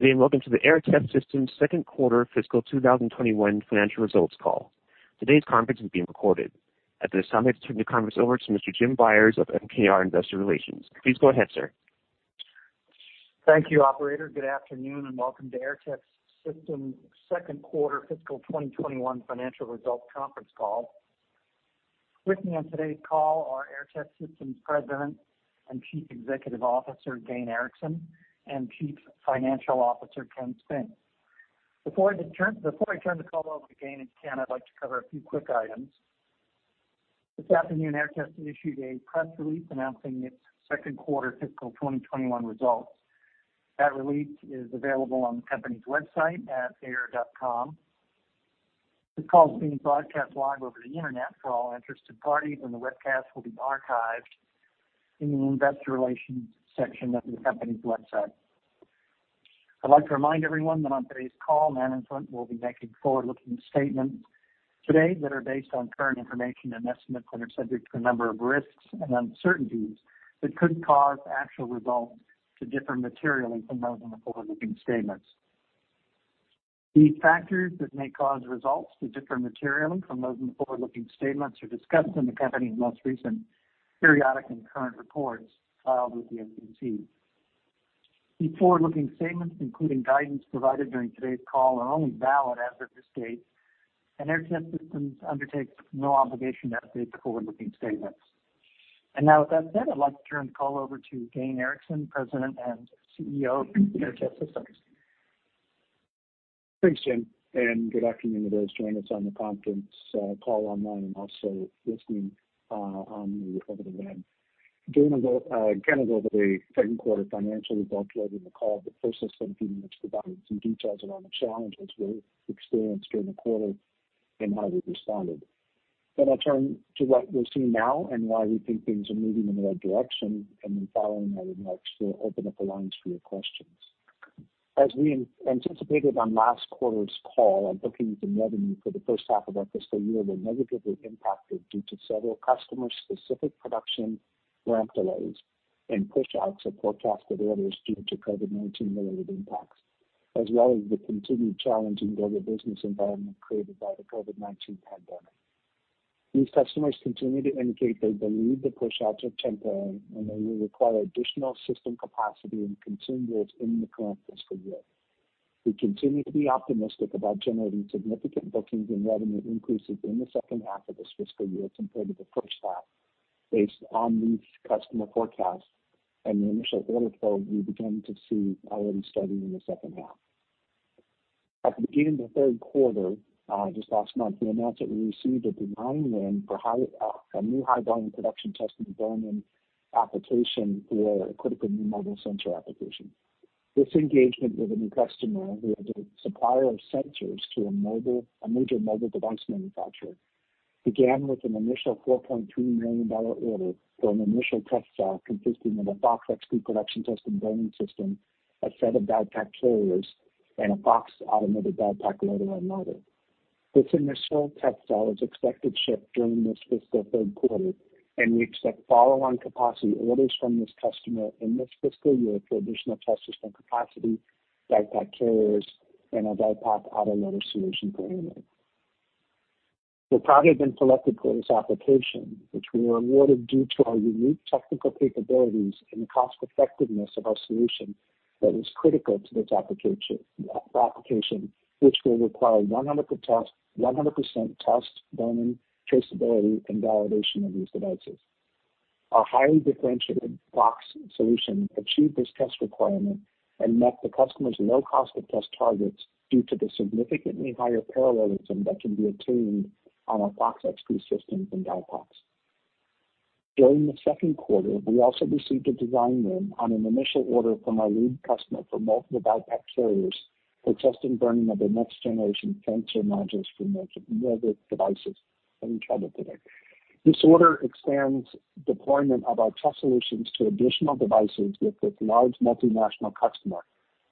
Good day, welcome to the Aehr Test Systems Second Quarter Fiscal 2021 Financial Results Call. Today's conference is being recorded. At this time, I'd like to turn the conference over to Mr. Jim Byers of MKR Investor Relations. Please go ahead, sir. Thank you, Operator. Good afternoon, welcome to Aehr Test Systems Second Quarter Fiscal 2021 Financial Results Conference Call. With me on today's call are Aehr Test Systems President and Chief Executive Officer, Gayn Erickson, and Chief Financial Officer, Ken Spink. Before I turn the call over to Gayn and Ken, I'd like to cover a few quick items. This afternoon, Aehr Test issued a press release announcing its second quarter fiscal 2021 results. That release is available on the company's website at aehr.com. This call is being broadcast live over the internet for all interested parties, and the webcast will be archived in the investor relations section of the company's website. I'd like to remind everyone that on today's call, management will be making forward-looking statements today that are based on current information and estimates that are subject to a number of risks and uncertainties that could cause actual results to differ materially from those in the forward-looking statements. These factors that may cause results to differ materially from those in the forward-looking statements are discussed in the company's most recent periodic and current reports filed with the SEC. These forward-looking statements, including guidance provided during today's call, are only valid as of this date, Aehr Test Systems undertakes no obligation to update the forward-looking statements. Now with that said, I'd like to turn the call over to Gayn Erickson, President and CEO of Aehr Test Systems. Thanks, Jim. Good afternoon to those joining us on the conference call online, and also listening over the web. Ken will go over the second quarter financial results during the call. First, I'll spend a few minutes providing some details around the challenges we experienced during the quarter and how we responded. But I'll turn to what we're seeing now and why we think things are moving in the right direction. Following my remarks, we'll open up the lines for your questions. As we anticipated on last quarter's call, our bookings and revenue for the first half of our fiscal year were negatively impacted due to several customer-specific production ramp delays and pushouts of forecasted orders due to COVID-19 related impacts, as well as the continued challenging global business environment created by the COVID-19 pandemic. These customers continue to indicate they believe the pushouts are temporary, and they will require additional system capacity and consumables in the current fiscal year. We continue to be optimistic about generating significant bookings and revenue increases in the second half of this fiscal year compared to the first half, based on these customer forecasts and the initial order flow we begin to see already starting in the second half. And in the third quarter, just last month, we announced that we received a design win for a new high-volume production test and burn-in application for a critical new mobile sensor application. This engagement with a new customer, who is a supplier of sensors to a mobile-- a major mobile device manufacturer, began with an initial $4.3 million order for an initial test cell consisting of a FOX-XP production test and burn-in system, a set of DiePak Carriers, and a FOX automated DiePak loader/unloader. This initial test cell is expected to ship during this fiscal third quarter, and we expect follow-on capacity orders from this customer in this fiscal year for additional test system capacity, DiePak Carriers, and a DiePak auto loader solution for them. We're proud to have been selected for this application, which we were awarded due to our unique technical capabilities and cost-effectiveness of our solution that is critical to this application, which will require 100% test, burn-in, traceability, and validation of these devices. Our highly differentiated FOX solution achieved this test requirement and met the customer's low cost of test targets due to the significantly higher parallelism that can be attained on our FOX-XP systems and DiePaks. During the second quarter, we also received a design win on an initial order from our lead customer for multiple DiePak carriers for test and burn-in of their next generation sensor modules for major mobile devices that we can't name today. This order expands deployment of our test solutions to additional devices with this large multinational customer,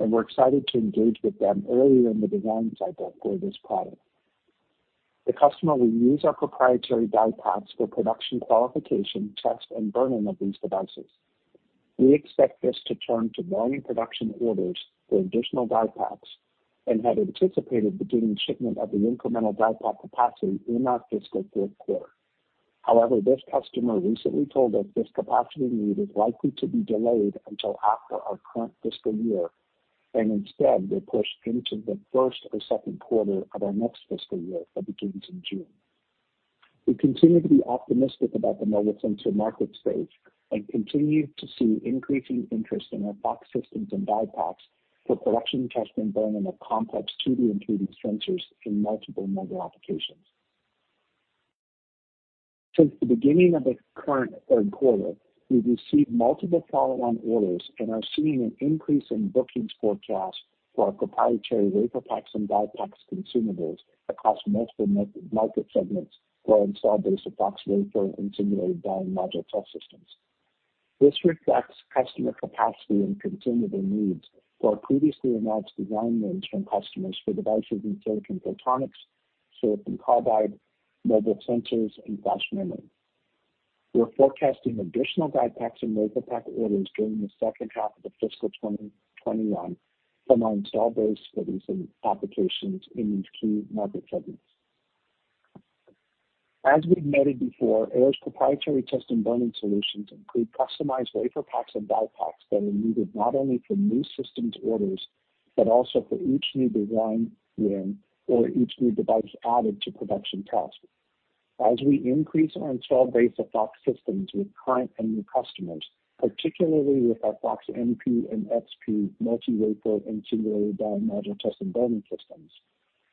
and we're excited to engage with them early in the design cycle for this product. The customer will use our proprietary DiePaks for production qualification, test, and burn-in of these devices. We expect this to turn to volume production orders for additional DiePaks and had anticipated beginning shipment of the incremental DiePak capacity in our fiscal third quarter. However, this customer recently told us this capacity need is likely to be delayed until after our current fiscal year, and instead will push into the first or second quarter of our next fiscal year that begins in June. We continue to be optimistic about the mobile sensor market space and continue to see increasing interest in our FOX systems and DiePaks for production test and burn-in of complex 2D and 3D sensors in multiple mobile applications. Since the beginning of the current third quarter, we've received multiple follow-on orders and are seeing an increase in bookings forecast for our proprietary WaferPaks and DiePaks consumables across multiple market segments for our installed base of FOX wafer and singulated die and module test systems. This reflects customer capacity and consumable needs for our previously announced design wins from customers for devices in Silicon Photonics, silicon carbide, mobile sensors, and flash memory. We're forecasting additional DiePaks and WaferPak orders during the second half of the fiscal 2021 from our installed base for these applications in these key market segments. As we've noted before, Aehr's proprietary test and burn-in solutions include customized WaferPaks and DiePaks that are needed not only for new systems orders, but also for each new design win or each new device added to production test. As we increase our installed base of FOX systems with current and new customers, particularly with our FOX-MP and XP multi-wafer and singulated die module test and burn-in systems,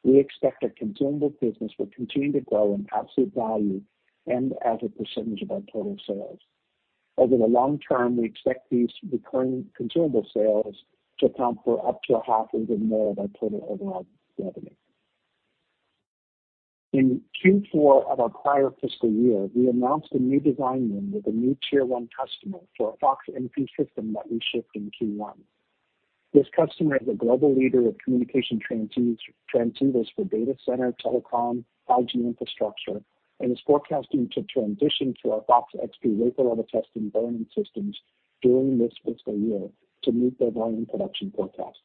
we expect our consumables business will continue to grow in absolute value and as a percentage of our total sales. Over the long term, we expect these recurring consumable sales to account for up to half or even more of our total overall revenue. In Q4 of our prior fiscal year, we announced a new design win with a new tier 1 customer for a FOX-NP system that we shipped in Q1. This customer is a global leader of communication transceivers for data center, telecom, 5G infrastructure, and is forecasting to transition to our FOX-XP wafer-level test and burn-in systems during this fiscal year to meet their volume production forecast.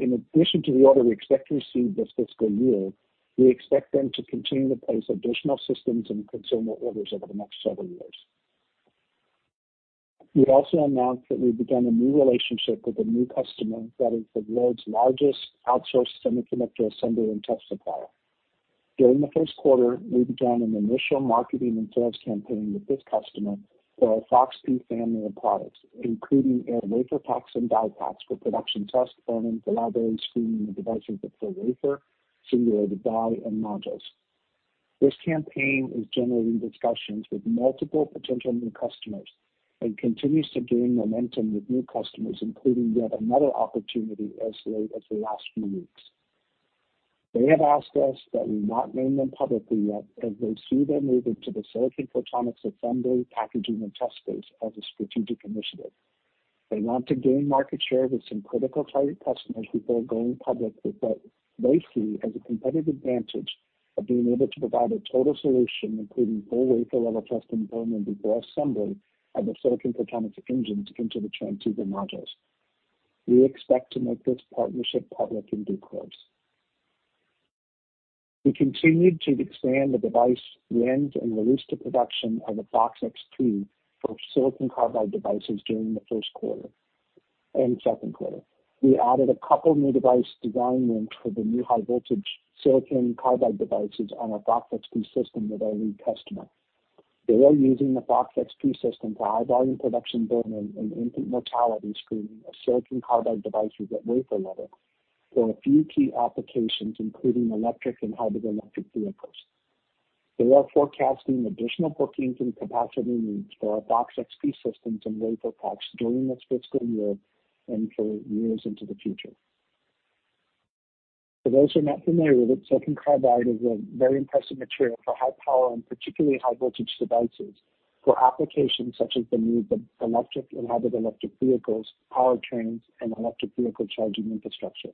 In addition to the order we expect to receive this fiscal year, we expect them to continue to place additional systems and consumable orders over the next several years. We also announced that we began a new relationship with a new customer that is the world's largest outsourced semiconductor assembly and test supplier. During the first quarter, we began an initial marketing and sales campaign with this customer for our FOX-P family of products, including Aehr WaferPaks and DiePaks for production test, burn-in, delivery, screening of devices at the wafer, singulated die and modules. This campaign is generating discussions with multiple potential new customers and continues to gain momentum with new customers, including yet another opportunity as late as the last few weeks. They have asked us that we not name them publicly yet, as they see their move into the silicon photonics assembly, packaging, and test space as a strategic initiative. They want to gain market share with some critical customers before going public with what they see as a competitive advantage of being able to provide a total solution, including full wafer-level test and burn-in before assembly of the silicon photonics engines into the transceiver modules. We expect to make this partnership public in due course. We continued to expand the device wins and release to production of the FOX-XP for silicon carbide devices during the first quarter and second quarter. We added a couple new device design wins for the new high voltage silicon carbide devices on our FOX-XP system with our lead customer. They are using the FOX-XP system for high volume production burn-in and infant mortality screening of silicon carbide devices at wafer-level for a few key applications, including electric and hybrid electric vehicles. They are forecasting additional bookings and capacity needs for our FOX-XP systems and WaferPaks during this fiscal year and for years into the future. For those who are not familiar with it, silicon carbide is a very impressive material for high power and particularly high voltage devices for applications such as the move to electric and hybrid electric vehicles, powertrains, and electric vehicle charging infrastructure.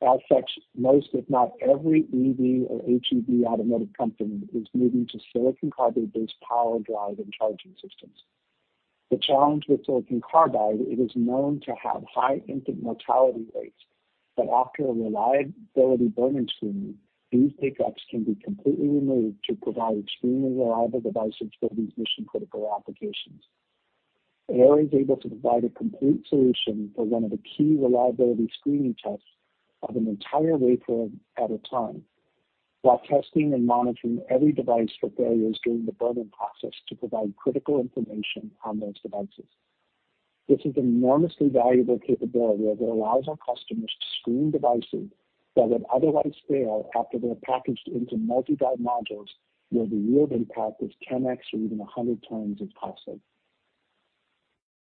That affects most, if not every EV or HEV Automotive company that is moving to silicon carbide-based power drive and charging systems. The challenge with silicon carbide, it is known to have high infant mortality rates, but after a reliability burn-in screening, these hiccups can be completely removed to provide extremely reliable devices for these mission-critical applications. Aehr is able to provide a complete solution for one of the key reliability screening tests of an entire wafer at a time, while testing and monitoring every device for failures during the burn-in process to provide critical information on those devices. This is an enormously valuable capability that allows our customers to screen devices that would otherwise fail after they're packaged into multi-die modules, where the yield impact is 10x or even 100x if possible.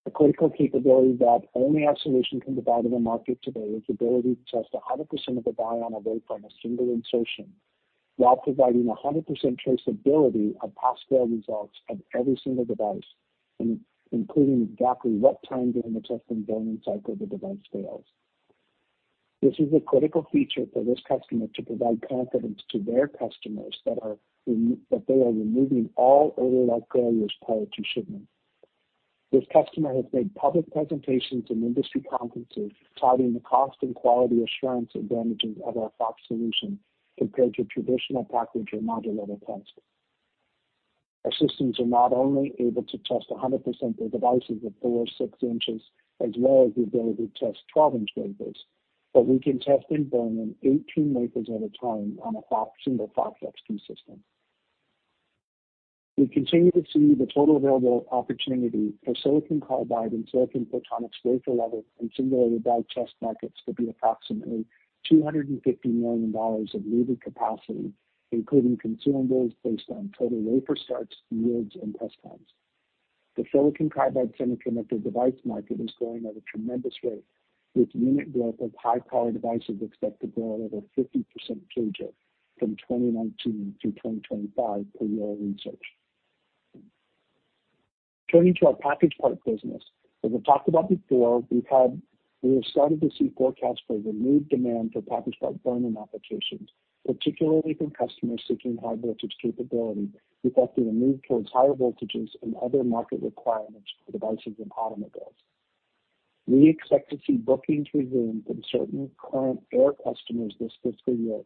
A critical capability that only our solution can provide in the market today is the ability to test 100% of the die on a wafer in a single insertion, while providing 100% traceability of pass-fail results of every single device, including exactly what time during the test and burn-in cycle the device fails. This is a critical feature for this customer to provide confidence to their customers that they are removing all early life failures prior to shipment. This customer has made public presentations in industry conferences touting the cost and quality assurance advantages of our FOX solution compared to traditional package or module-level test. Our systems are not only able to test 100% of the devices at four or six inches, as well as the ability to test 12-inch wafers, but we can test and burn-in 18 wafers at a time on a single FOX-XP system. We continue to see the total available opportunity for silicon carbide and silicon photonics wafer-level and single loaded die test markets to be approximately $250 million of yearly capacity, including consumables based on total wafer starts, yields, and test times. The silicon carbide semiconductor device market is growing at a tremendous rate, with unit growth of high-power devices expected to grow at over 50% CAGR from 2021 through 2025 per our research. Turning to our package part business. As we talked about before, we have started to see forecasts for renewed demand for package part burn-in applications, particularly from customers seeking high voltage capability with the move towards higher voltages and other market requirements for devices and automobiles. We expect to see bookings resume from certain current Aehr customers this fiscal year,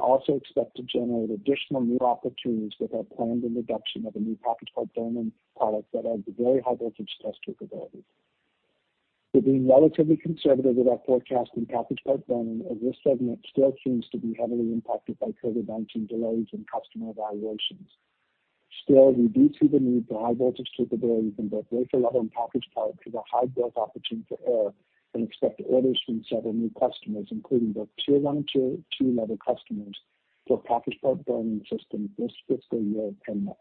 also expect to generate additional new opportunities with our planned introduction of a new package part burn-in product that has very high voltage test capabilities. We're being relatively conservative with our forecast in package part burn-in, as this segment still seems to be heavily impacted by COVID-19 delays and customer evaluations. We do see the need for high voltage capabilities in both wafer-level and package part as a high growth opportunity for Aehr, expect orders from several new customers, including both tier 1, tier 2 level customers for package part burn-in systems this fiscal year and next.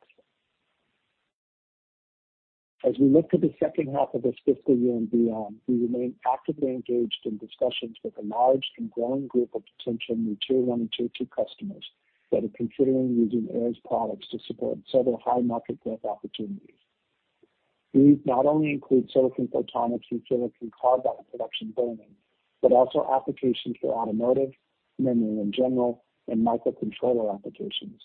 As we look to the second half of this fiscal year and beyond, we remain actively engaged in discussions with a large and growing group of potential new tier 1 and tier 2 customers that are considering using Aehr's products to support several high market growth opportunities. These not only include silicon photonics and silicon carbide production burn-in, but also applications for Automotive, memory in general, and microcontroller applications.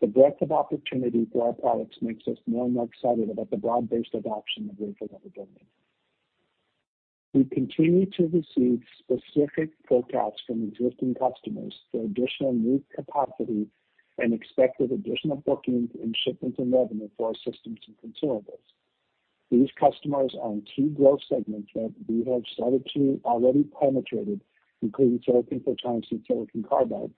The breadth of opportunity for our products makes us more and more excited about the broad-based adoption of wafer level burn-in. We continue to receive specific forecasts from existing customers for additional new capacity and expect with additional bookings and shipments and revenue for our systems and consumables. These customers are in key growth segments that we have started to already penetrated, including silicon photonics and silicon carbide,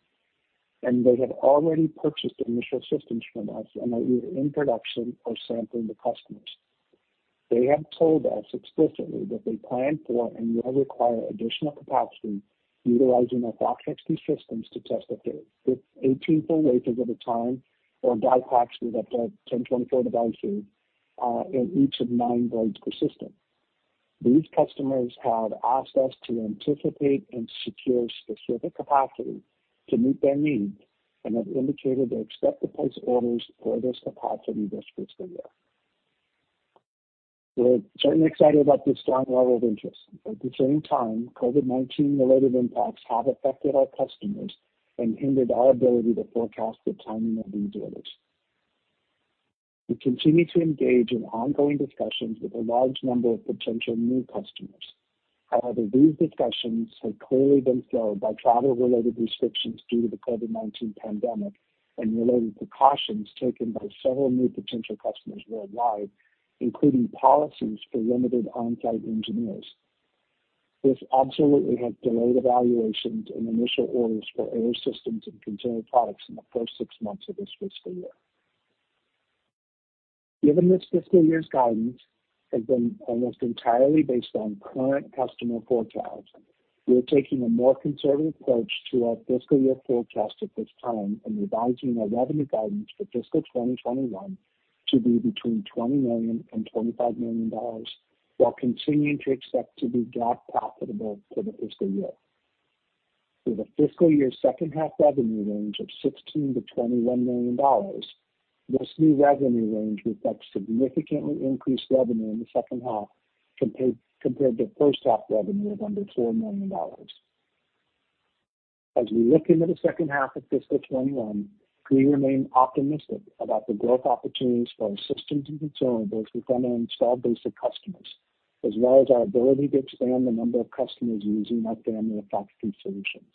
and they have already purchased initial systems from us and are either in production or sampling to customers. They have told us explicitly that they plan for and will require additional capacity utilizing our FOX-XP systems to test up to with 18 full [inaudible] at a time or DiePaks with up to 1,024 [inaudible] in each of nine loads per system. These customers have asked us to anticipate and secure specific capacity to meet their needs and have indicated they expect to place orders for this capacity this fiscal year. We're certainly excited about this strong level of interest. At the same time, COVID-19-related impacts have affected our customers and hindered our ability to forecast the timing of these orders. We continue to engage in ongoing discussions with a large number of potential new customers. These discussions have clearly been slowed by travel-related restrictions due to the COVID-19 pandemic and related precautions taken by several new potential customers worldwide, including policies for limited on-site engineers. This absolutely has delayed evaluations and initial orders for Aehr systems and consumable products in the first six months of this fiscal year. Given this fiscal year's guidance has been almost entirely based on current customer forecasts, we are taking a more conservative approach to our fiscal year forecast at this time and revising our revenue guidance for fiscal 2021 to be between $20 million and 25 million, while continuing to expect to be GAAP profitable for the fiscal year. For the fiscal year second half revenue range of $16 million-21 million, this new revenue range reflects significantly increased revenue in the second half compared to first half revenue of under $4 million. We look into the second half of fiscal 2021, we remain optimistic about the growth opportunities for our systems and consumables with our installed base of customers, as well as our ability to expand the number of customers using our family of FOX-P solutions.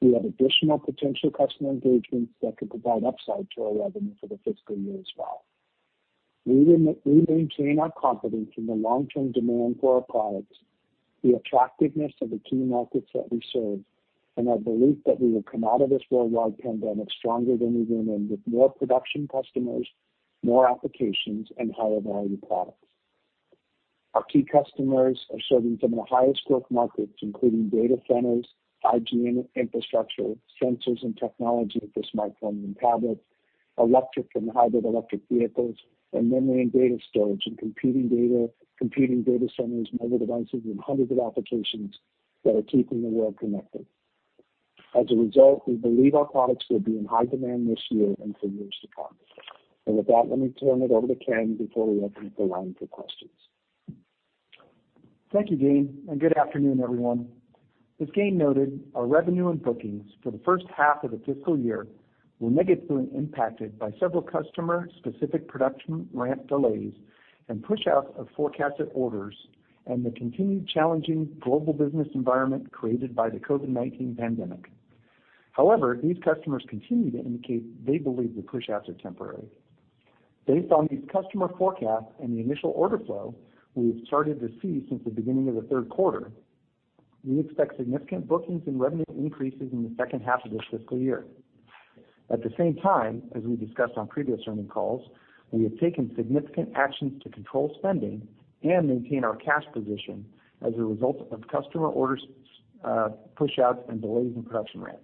We have additional potential customer engagements that could provide upside to our revenue for the fiscal year as well. We maintain our confidence in the long-term demand for our products, the attractiveness of the key markets that we serve, and our belief that we will come out of this worldwide pandemic stronger than we went in, with more production customers, more applications, and higher value products. Our key customers are serving some of the highest growth markets, including data centers, IT infrastructure, sensors and technology for smartphones and tablets, electric and hybrid electric vehicles, and memory and data storage in computing data centers, mobile devices, and hundreds of applications that are keeping the world connected. As a result, we believe our products will be in high demand this year and for years to come. With that, let me turn it over to Ken before we open up the line for questions. Thank you, Gayn, and good afternoon, everyone. As Gayn noted, our revenue and bookings for the first half of the fiscal year were negatively impacted by several customer-specific production ramp delays and pushouts of forecasted orders and the continued challenging global business environment created by the COVID-19 pandemic. However, these customers continue to indicate they believe the pushouts are temporary. Based on these customer forecasts and the initial order flow we have started to see since the beginning of the third quarter, we expect significant bookings and revenue increases in the second half of this fiscal year. At the same time, as we discussed on previous earning calls, we have taken significant actions to control spending and maintain our cash position as a result of customer orders pushouts and delays in production ramps.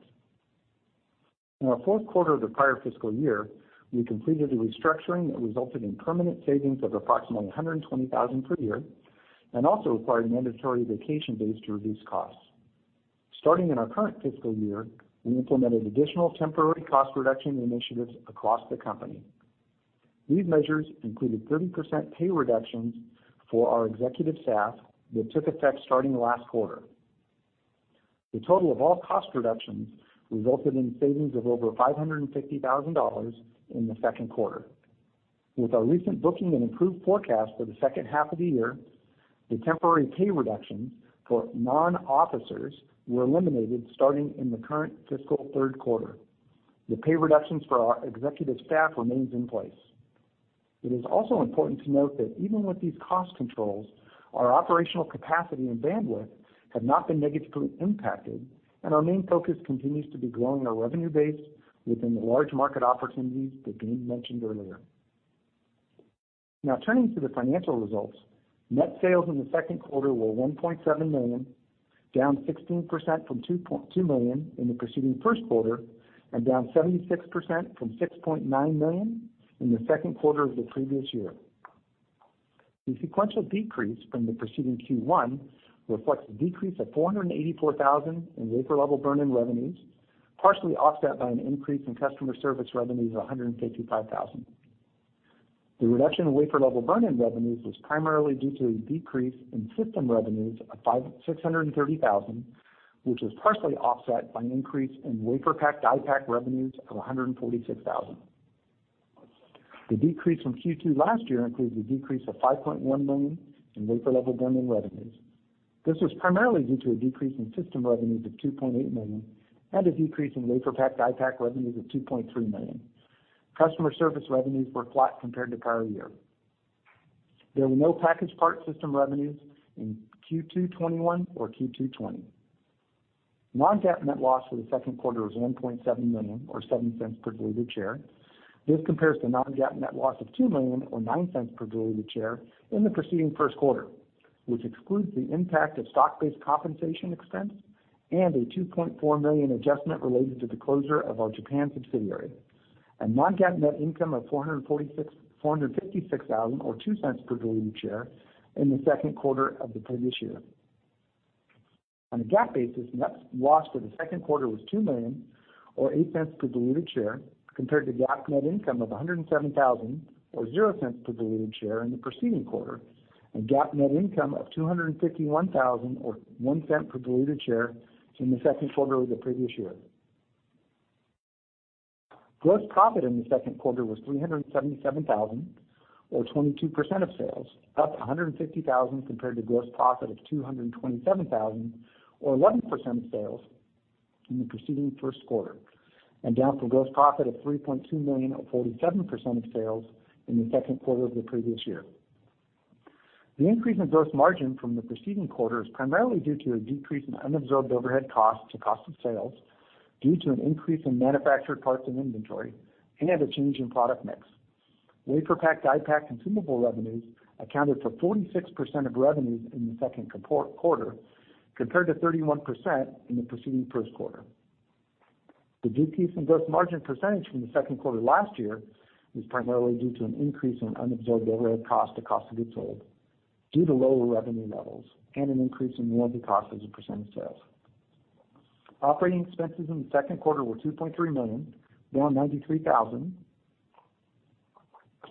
In our fourth quarter of the prior fiscal year, we completed a restructuring that resulted in permanent savings of approximately $120,000 per year and also required mandatory vacation days to reduce costs. Starting in our current fiscal year, we implemented additional temporary cost reduction initiatives across the company. These measures included 30% pay reductions for our executive staff that took effect starting last quarter. The total of all cost reductions resulted in savings of over $550,000 in the second quarter. With our recent booking and improved forecast for the second half of the year, the temporary pay reductions for non-officers were eliminated starting in the current fiscal third quarter. The pay reductions for our executive staff remains in place. It is also important to note that even with these cost controls, our operational capacity and bandwidth have not been negatively impacted, and our main focus continues to be growing our revenue base within the large market opportunities that Gayn mentioned earlier. Now turning to the financial results. Net sales in the second quarter were $1.7 million, down 16% from $2.2 million in the preceding first quarter, and down 76% from $6.9 million in the second quarter of the previous year. The sequential decrease from the preceding Q1 reflects a decrease of $484,000 in wafer level burn-in revenues, partially offset by an increase in customer service revenues of $155,000. The reduction in wafer level burn-in revenues was primarily due to a decrease in system revenues of $630,000, which was partially offset by an increase in WaferPak/DiePak revenues of $146,000. The decrease from Q2 last year includes a decrease of $5.1 million in wafer-level burn-in revenues. This was primarily due to a decrease in system revenues of $2.8 million and a decrease in WaferPak/DiePak revenues of $2.3 million. Customer service revenues were flat compared to prior year. There were no packaged part system revenues in Q2 2021 or Q2 2020. Non-GAAP net loss for the second quarter was $1.7 million, or $0.07 per diluted share. This compares to non-GAAP net loss of $2 million or $0.09 per diluted share in the preceding first quarter, which excludes the impact of stock-based compensation expense and a $2.4 million adjustment related to the closure of our Japan subsidiary. And non-GAAP net income of $456,000 or 0.02 per diluted share in the second quarter of the previous year. On a GAAP basis, net loss for the second quarter was $2 million or 0.08 per diluted share compared to GAAP net income of $107,000 or 0.00 per diluted share in the preceding quarter, and GAAP net income of $251,000 or 0.01 per diluted share in the second quarter of the previous year. Gross profit in the second quarter was $377,000 or 22% of sales, up 150,000 compared to gross profit of $227,000 or 11% of sales in the preceding first quarter, and down from gross profit of $3.2 million or 47% of sales in the second quarter of the previous year. The increase in gross margin from the preceding quarter is primarily due to a decrease in unabsorbed overhead cost to cost of sales, due to an increase in manufactured parts and inventory and a change in product mix. WaferPak/DiePak consumable revenues accounted for 46% of revenues in the second quarter compared to 31% in the preceding first quarter. The decrease in gross margin percentage from the second quarter last year was primarily due to an increase in unabsorbed overhead cost to cost of goods sold due to lower revenue levels and an increase in warranty costs as a percent of sales. Operating expenses in the second quarter were $2.3 million, down 93,000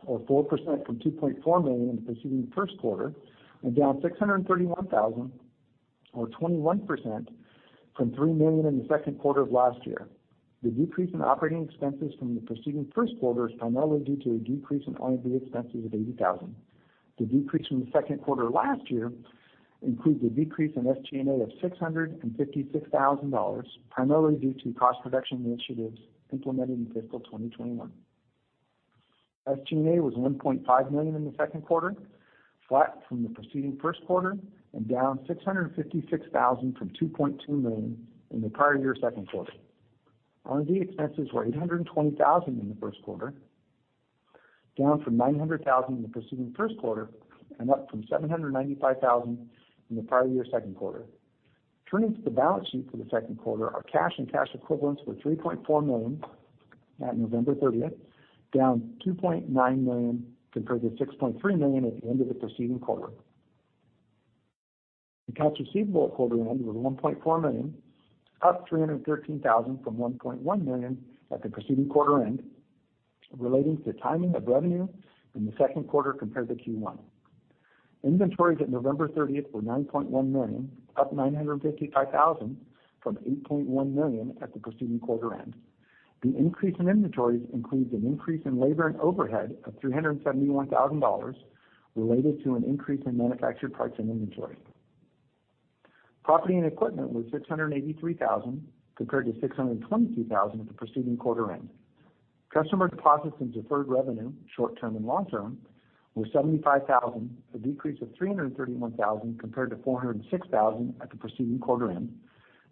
or 4% from $2.4 million in the preceding first quarter, and down $631,000 or 21% from $3 million in the second quarter of last year. The decrease in operating expenses from the preceding first quarter is primarily due to a decrease in R&D expenses of $80,000. The decrease from the second quarter last year includes a decrease in SG&A of $656,000, primarily due to cost reduction initiatives implemented in fiscal 2021. SG&A was $1.5 million in the second quarter, flat from the preceding first quarter, and down $656,000 from 2.2 million in the prior year second quarter. R&D expenses were $820,000 in the first quarter, down from 900,000 in the preceding first quarter and up from $795,000 in the prior year second quarter. Turning to the balance sheet for the second quarter, our cash and cash equivalents were $3.4 million at November 30th, down 2.9 million compared to $6.3 million at the end of the preceding quarter. Accounts receivable at quarter end were $1.4 million, up 313,000 from $1.1 million at the preceding quarter end, relating to timing of revenue in the second quarter compared to Q1. Inventories at November 30th were $9.1 million, up 955,000 from $8.1 million at the preceding quarter end. The increase in inventories includes an increase in labor and overhead of $371,000 related to an increase in manufactured parts and inventory. Property and equipment was $683,000 compared to 622,000 at the preceding quarter end. Customer deposits and deferred revenue, short-term and long-term, were $75,000, a decrease of 331,000 compared to $406,000 at the preceding quarter end,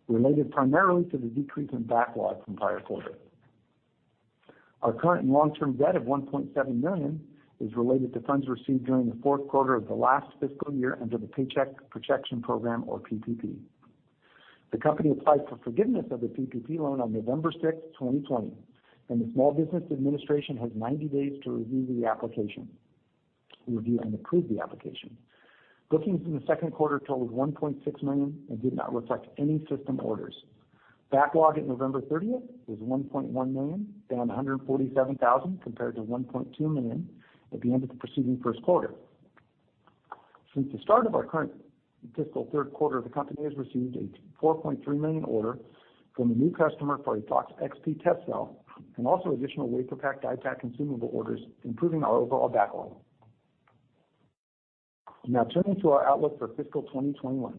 related primarily to the decrease in backlog from prior quarter. Our current and long-term debt of $1.7 million is related to funds received during the fourth quarter of the last fiscal year under the Paycheck Protection Program or PPP. The company applied for forgiveness of the PPP loan on November 6th, 2020, and the Small Business Administration has 90 days to review and approve the application. Bookings in the second quarter totaled $1.6 million and did not reflect any system orders. Backlog at November 30th was $1.1 million, down 147,000 compared to $1.2 million at the end of the preceding first quarter. Since the start of our current fiscal third quarter, the company has received a $4.3 million order from a new customer for a FOX-XP test cell, and also additional WaferPak/DiePak consumable orders, improving our overall backlog. Turning to our outlook for fiscal 2021.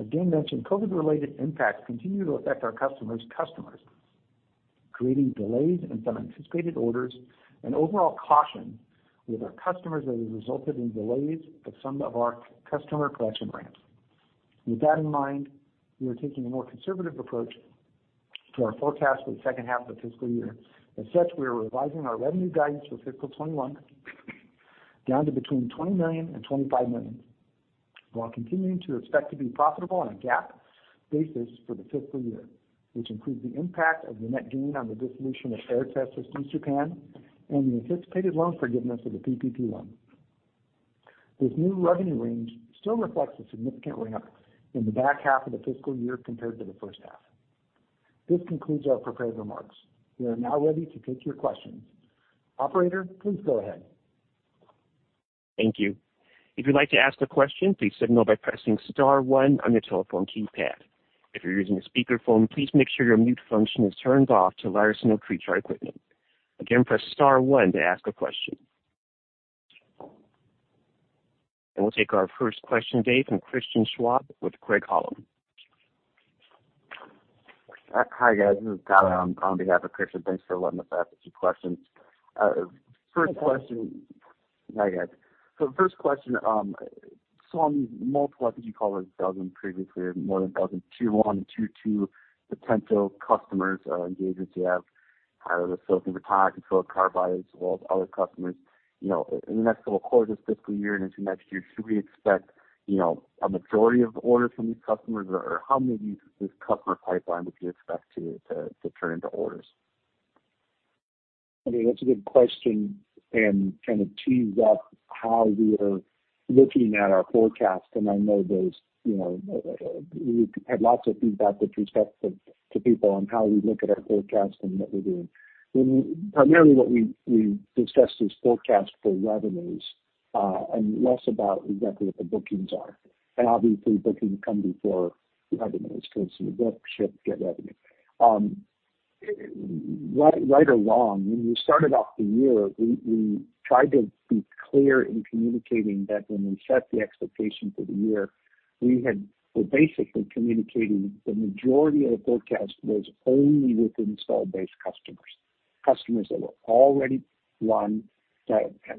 As Gayn mentioned, COVID-related impacts continue to affect our customers' customers, creating delays in some anticipated orders and overall caution with our customers that has resulted in delays of some of our customer collection ramps. With that in mind, we are taking a more conservative approach to our forecast for the second half of the fiscal year. As such, we are revising our revenue guidance for fiscal 2021 down to between $20 million and 25 million, while continuing to expect to be profitable on a GAAP basis for the fiscal year, which includes the impact of the net gain on the dissolution of Aehr Test Systems Japan, and the anticipated loan forgiveness of the PPP loan. This new revenue range still reflects a significant ramp in the back half of the fiscal year compared to the first half. This concludes our prepared remarks. We are now ready to take your questions. Operator, please go ahead. Thank you. If you'd like to ask a question, please signal by pressing star one on your telephone keypad. If you're using a speakerphone, please make sure your mute function is turned off to allow your signal reach our equipment. Again, press star one to ask a question. We'll take our first question today from Christian Schwab with Craig-Hallum. Hi, guys. This is Tyler on behalf of Christian. Thanks for letting us ask a few questions. First question. Hi, Tyler. Hi, guys. So, first question. Saw on multiple, I think you called it a dozen previously, or more than a dozen, tier 1 and tier 2 potential customers or engagements you have out of the silicon photonics or carbides, as well as other customers. In the next couple quarters, this fiscal year and into next year, should we expect a majority of the orders from these customers? How many of these customer pipeline would you expect to turn into orders? I mean, that's a good question, and kind of tees up how we are looking at our forecast. I know we've had lots of feedback with respect to people on how we look at our forecasting that we're doing. Primarily what we discussed is forecast for revenues, and less about exactly what the bookings are. Obviously, bookings come before the revenues, because the book should get revenue. Right or wrong, when we started off the year, we tried to be clear in communicating that when we set the expectation for the year, we were basically communicating the majority of the forecast was only with installed base customers that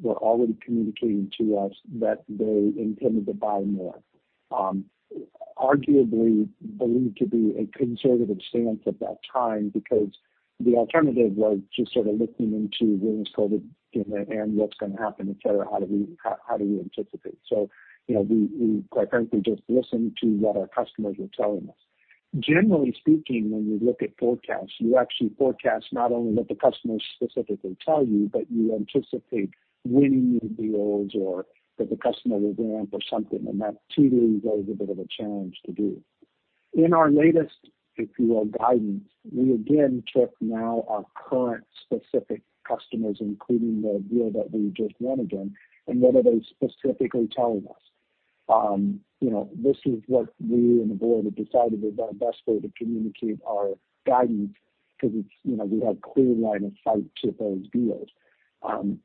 were already communicating to us that they intended to buy more. Arguably, believed to be a conservative stance at that time, because the alternative was just sort of looking into when is COVID going to end? What's going to happen, et cetera. How do we anticipate? We quite frankly just listened to what our customers were telling us. Generally speaking, when you look at forecasts, you actually forecast not only what the customers specifically tell you, but you anticipate winning new deals or that the customer will ramp or something, and that's typically always a bit of a challenge to do. In our latest, if you will, guidance, we again took now our current specific customers, including the deal that we just won again, and what are they specifically telling us? This is what we and the board have decided is our best way to communicate our guidance, because we have clear line of sight to those deals.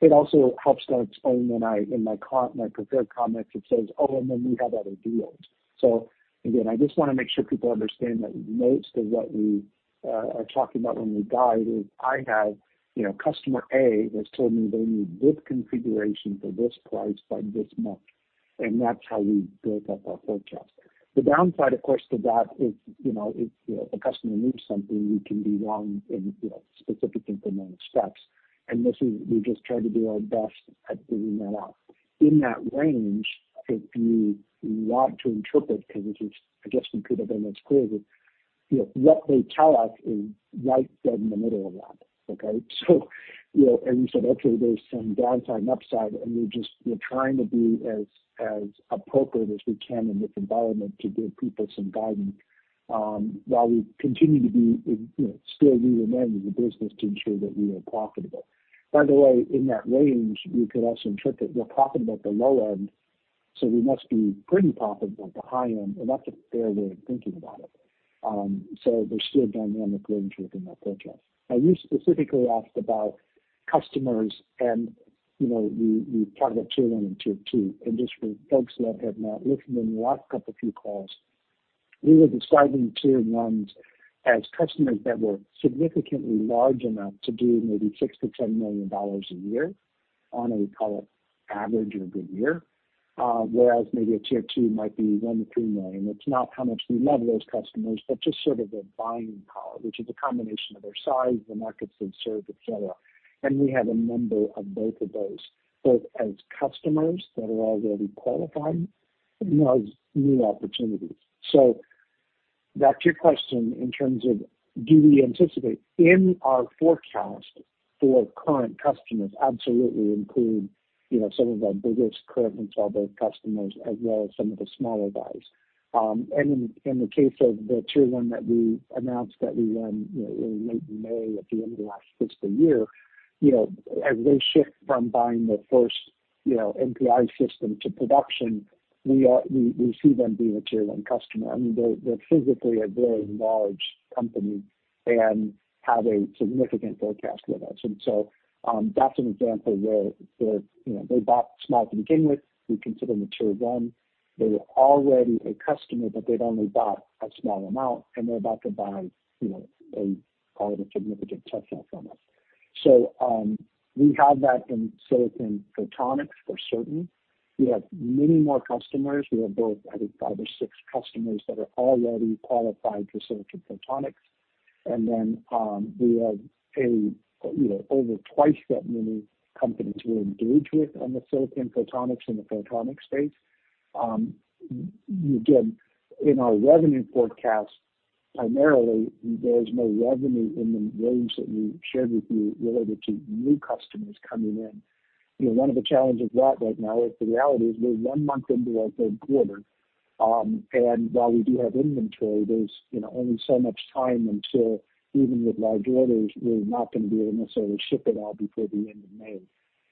It also helps to explain, in my prepared comments, it says, "We have other deals." Again, I just want to make sure people understand that most of what we are talking about when we guide is I have customer A that's told me they need this configuration for this price by this month, and that's how we build up our forecast. The downside, of course, to that is if the customer needs something, we can be wrong in specific incremental steps, and we just try to do our best at figuring that out. In that range, if you want to interpret, because I guess we could have been much clearer, you know, what they tell us is right then in the middle of that. Okay? So, you know, and we said, "Okay, there's some downside and upside," and we're trying to be as appropriate as we can in this environment to give people some guidance, while we continue to still re-invent the business to ensure that we are profitable. By the way, in that range, you could also interpret we're profitable at the low end, so we must be pretty profitable at the high end, and that's a fair way of thinking about it. There's still a dynamic range within that forecast. You specifically asked about customers, and you talked about tier 1 and tier 2, and just for folks that have not listened in the last couple few calls, we were describing tier ones as customers that were significantly large enough to do maybe $6 million-10 million a year on a, we call it average or good year. Whereas maybe a tier 2 might be $1 million-3 million. It's not how much we love those customers, but just sort of their buying power, which is a combination of their size, the markets they serve, et cetera. We have a number of both of those, both as customers that are already qualified, and as new opportunities. Back to your question in terms of do we anticipate, in our forecast for current customers absolutely include some of our biggest current and former customers, as well as some of the smaller guys. In the case of the tier 1 that we announced that we won in late May at the end of last fiscal year, as they shift from buying their first, you know, NPI system to production, we see them be a tier 1 customer. They're physically a very large company and have a significant forecast with us. That's an example where they bought small to begin with. We consider them a tier 1. They were already a customer, but they'd only bought a small amount, and they're about to buy a rather significant test cell from us. We have that in silicon photonics for certain. We have many more customers. We have about, I think, five or six customers that are already qualified for silicon photonics, and then we have over twice that many companies we're engaged with on the silicon photonics in the photonic space. Again, in our revenue forecast, primarily, there's no revenue in the waves that we shared with you related to new customers coming in. One of the challenges right now is the reality is we're one month into our third quarter. While we do have inventory, there's only so much time until even with large orders, we're not going to be able to necessarily ship it all before the end of May.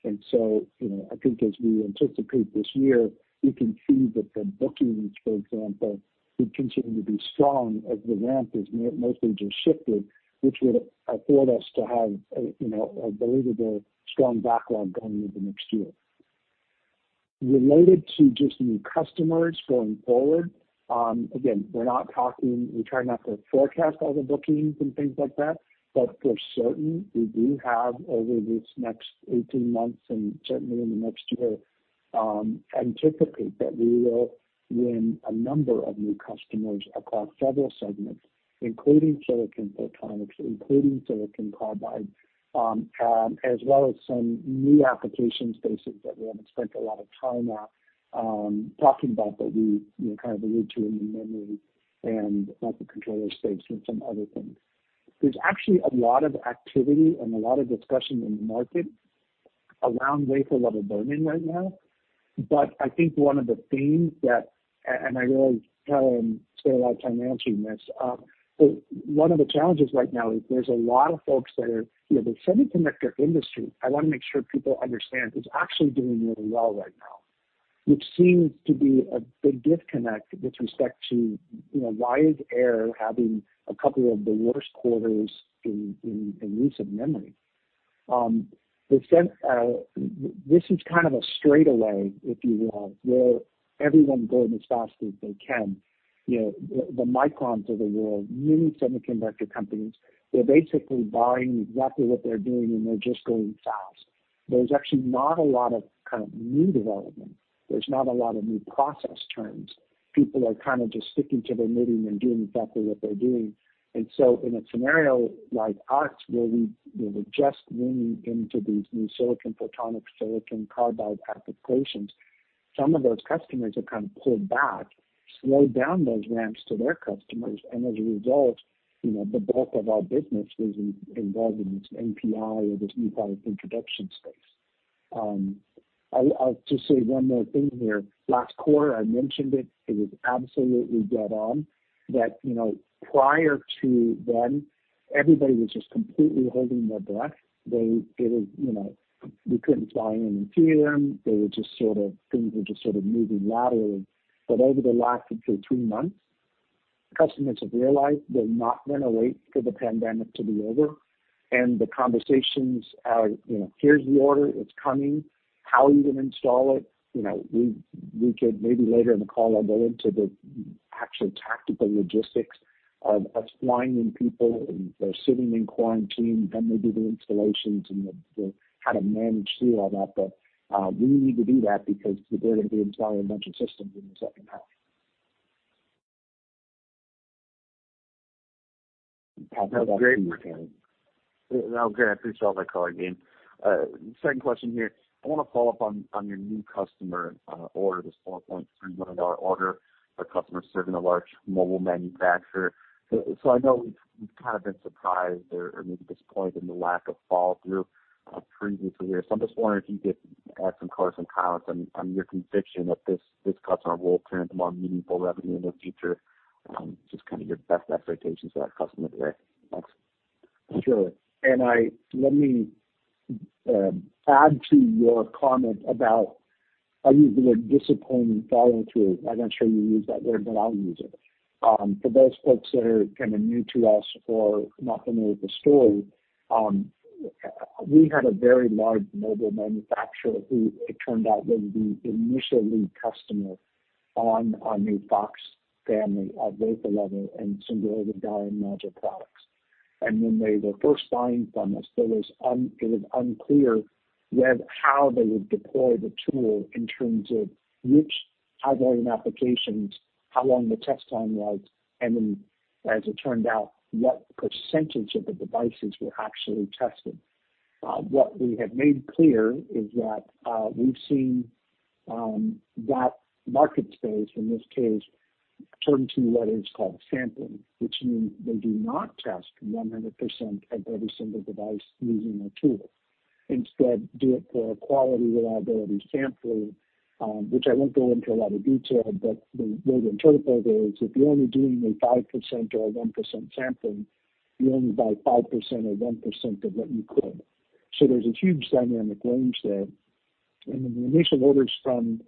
And so, I think as we anticipate this year, we can see that the bookings, for example, would continue to be strong as the ramp is mostly just shifted, which would afford us to have a reasonably strong backlog going into the next year. Related to just new customers going forward, again, we try not to forecast all the bookings and things like that. For certain, we do have over these next 18 months and certainly in the next year, anticipate that we will win a number of new customers across several segments, including silicon photonics, including silicon carbide, as well as some new application spaces that we haven't spent a lot of time on talking about, but we kind of allude to in the memory and buffer controller space and some other things. There's actually a lot of activity and a lot of discussion in the market around wafer-level burn-in right now. I think one of the themes that, and I know I spend a lot of time answering this, but one of the challenges right now is there's a lot of folks. The semiconductor industry, I want to make sure people understand, is actually doing really well right now, which seem to be a big disconnect with respect to why is Aehr having a couple of the worst quarters in recent memory. This is kind of a straightaway, if you will, where everyone going as fast as they can. You know, the Micron of the world, many semiconductor companies, they're basically buying exactly what they're doing, and they're just going fast. There's actually not a lot of kind of new development. There's not a lot of new process turns. People are kind of just sticking to their knitting and doing exactly what they're doing. In a scenario like ours, where we're just winning into these new silicon photonic, silicon carbide applications, some of those customers have kind of pulled back, slowed down those ramps to their customers, and as a result, the bulk of our business is involved in this NPI or this new product introduction space. I'll just say one more thing here. Last quarter, I mentioned it was absolutely dead on that prior to then, everybody was just completely holding their breath. We couldn't fly in and see them. Things were just sort of moving laterally. Over the last, I'd say, two months, customers have realized they're not going to wait for the pandemic to be over, and the conversations are, "Here's the order. It's coming. How are you going to install it?". You know, maybe later in the call, I'll go into the actual tactical logistics of us flying in people, and they're sitting in quarantine, then they do the installations, and the how to manage through all that. We need to do that because they're going to be installing a bunch of systems in the second half. Pass it back to you, Tyler. That was great. I appreciate all the color, Gayn. Second question here. I want to follow up on your new customer order, this $4.3 million order, a customer serving a large mobile manufacturer. And so, I know we've kind of been surprised or maybe disappointed in the lack of follow-through previously here. So I'm just wondering if you could add some color, some comments on your conviction that this customer will turn into more meaningful revenue in the future. Just kind of your best expectations for that customer today. Thanks. Sure. Let me add to your comment about using the word disappointed follow-through. I'm not sure you used that word, but I'll use it. For those folks that are kind of new to us or not familiar with the story, we had a very large mobile manufacturer who it turned out was the initial lead customer on our new FOX family of wafer level and some related die and module products. When they were first buying from us, it was unclear with how they would deploy the tool in terms of which high-volume applications, how long the test time was, and then as it turned out, what percentage of the devices were actually tested. What we have made clear is that we've seen that market space, in this case, turn to what is called sampling, which means they do not test 100% of every single device using a tool. Instead, do it for quality, reliability sampling, which I won't go into a lot of detail, but the way to interpret that is if you're only doing a 5% or a 1% sampling, you only buy 5% or 1% of what you could. So there's a huge dynamic range there. In the initial orders from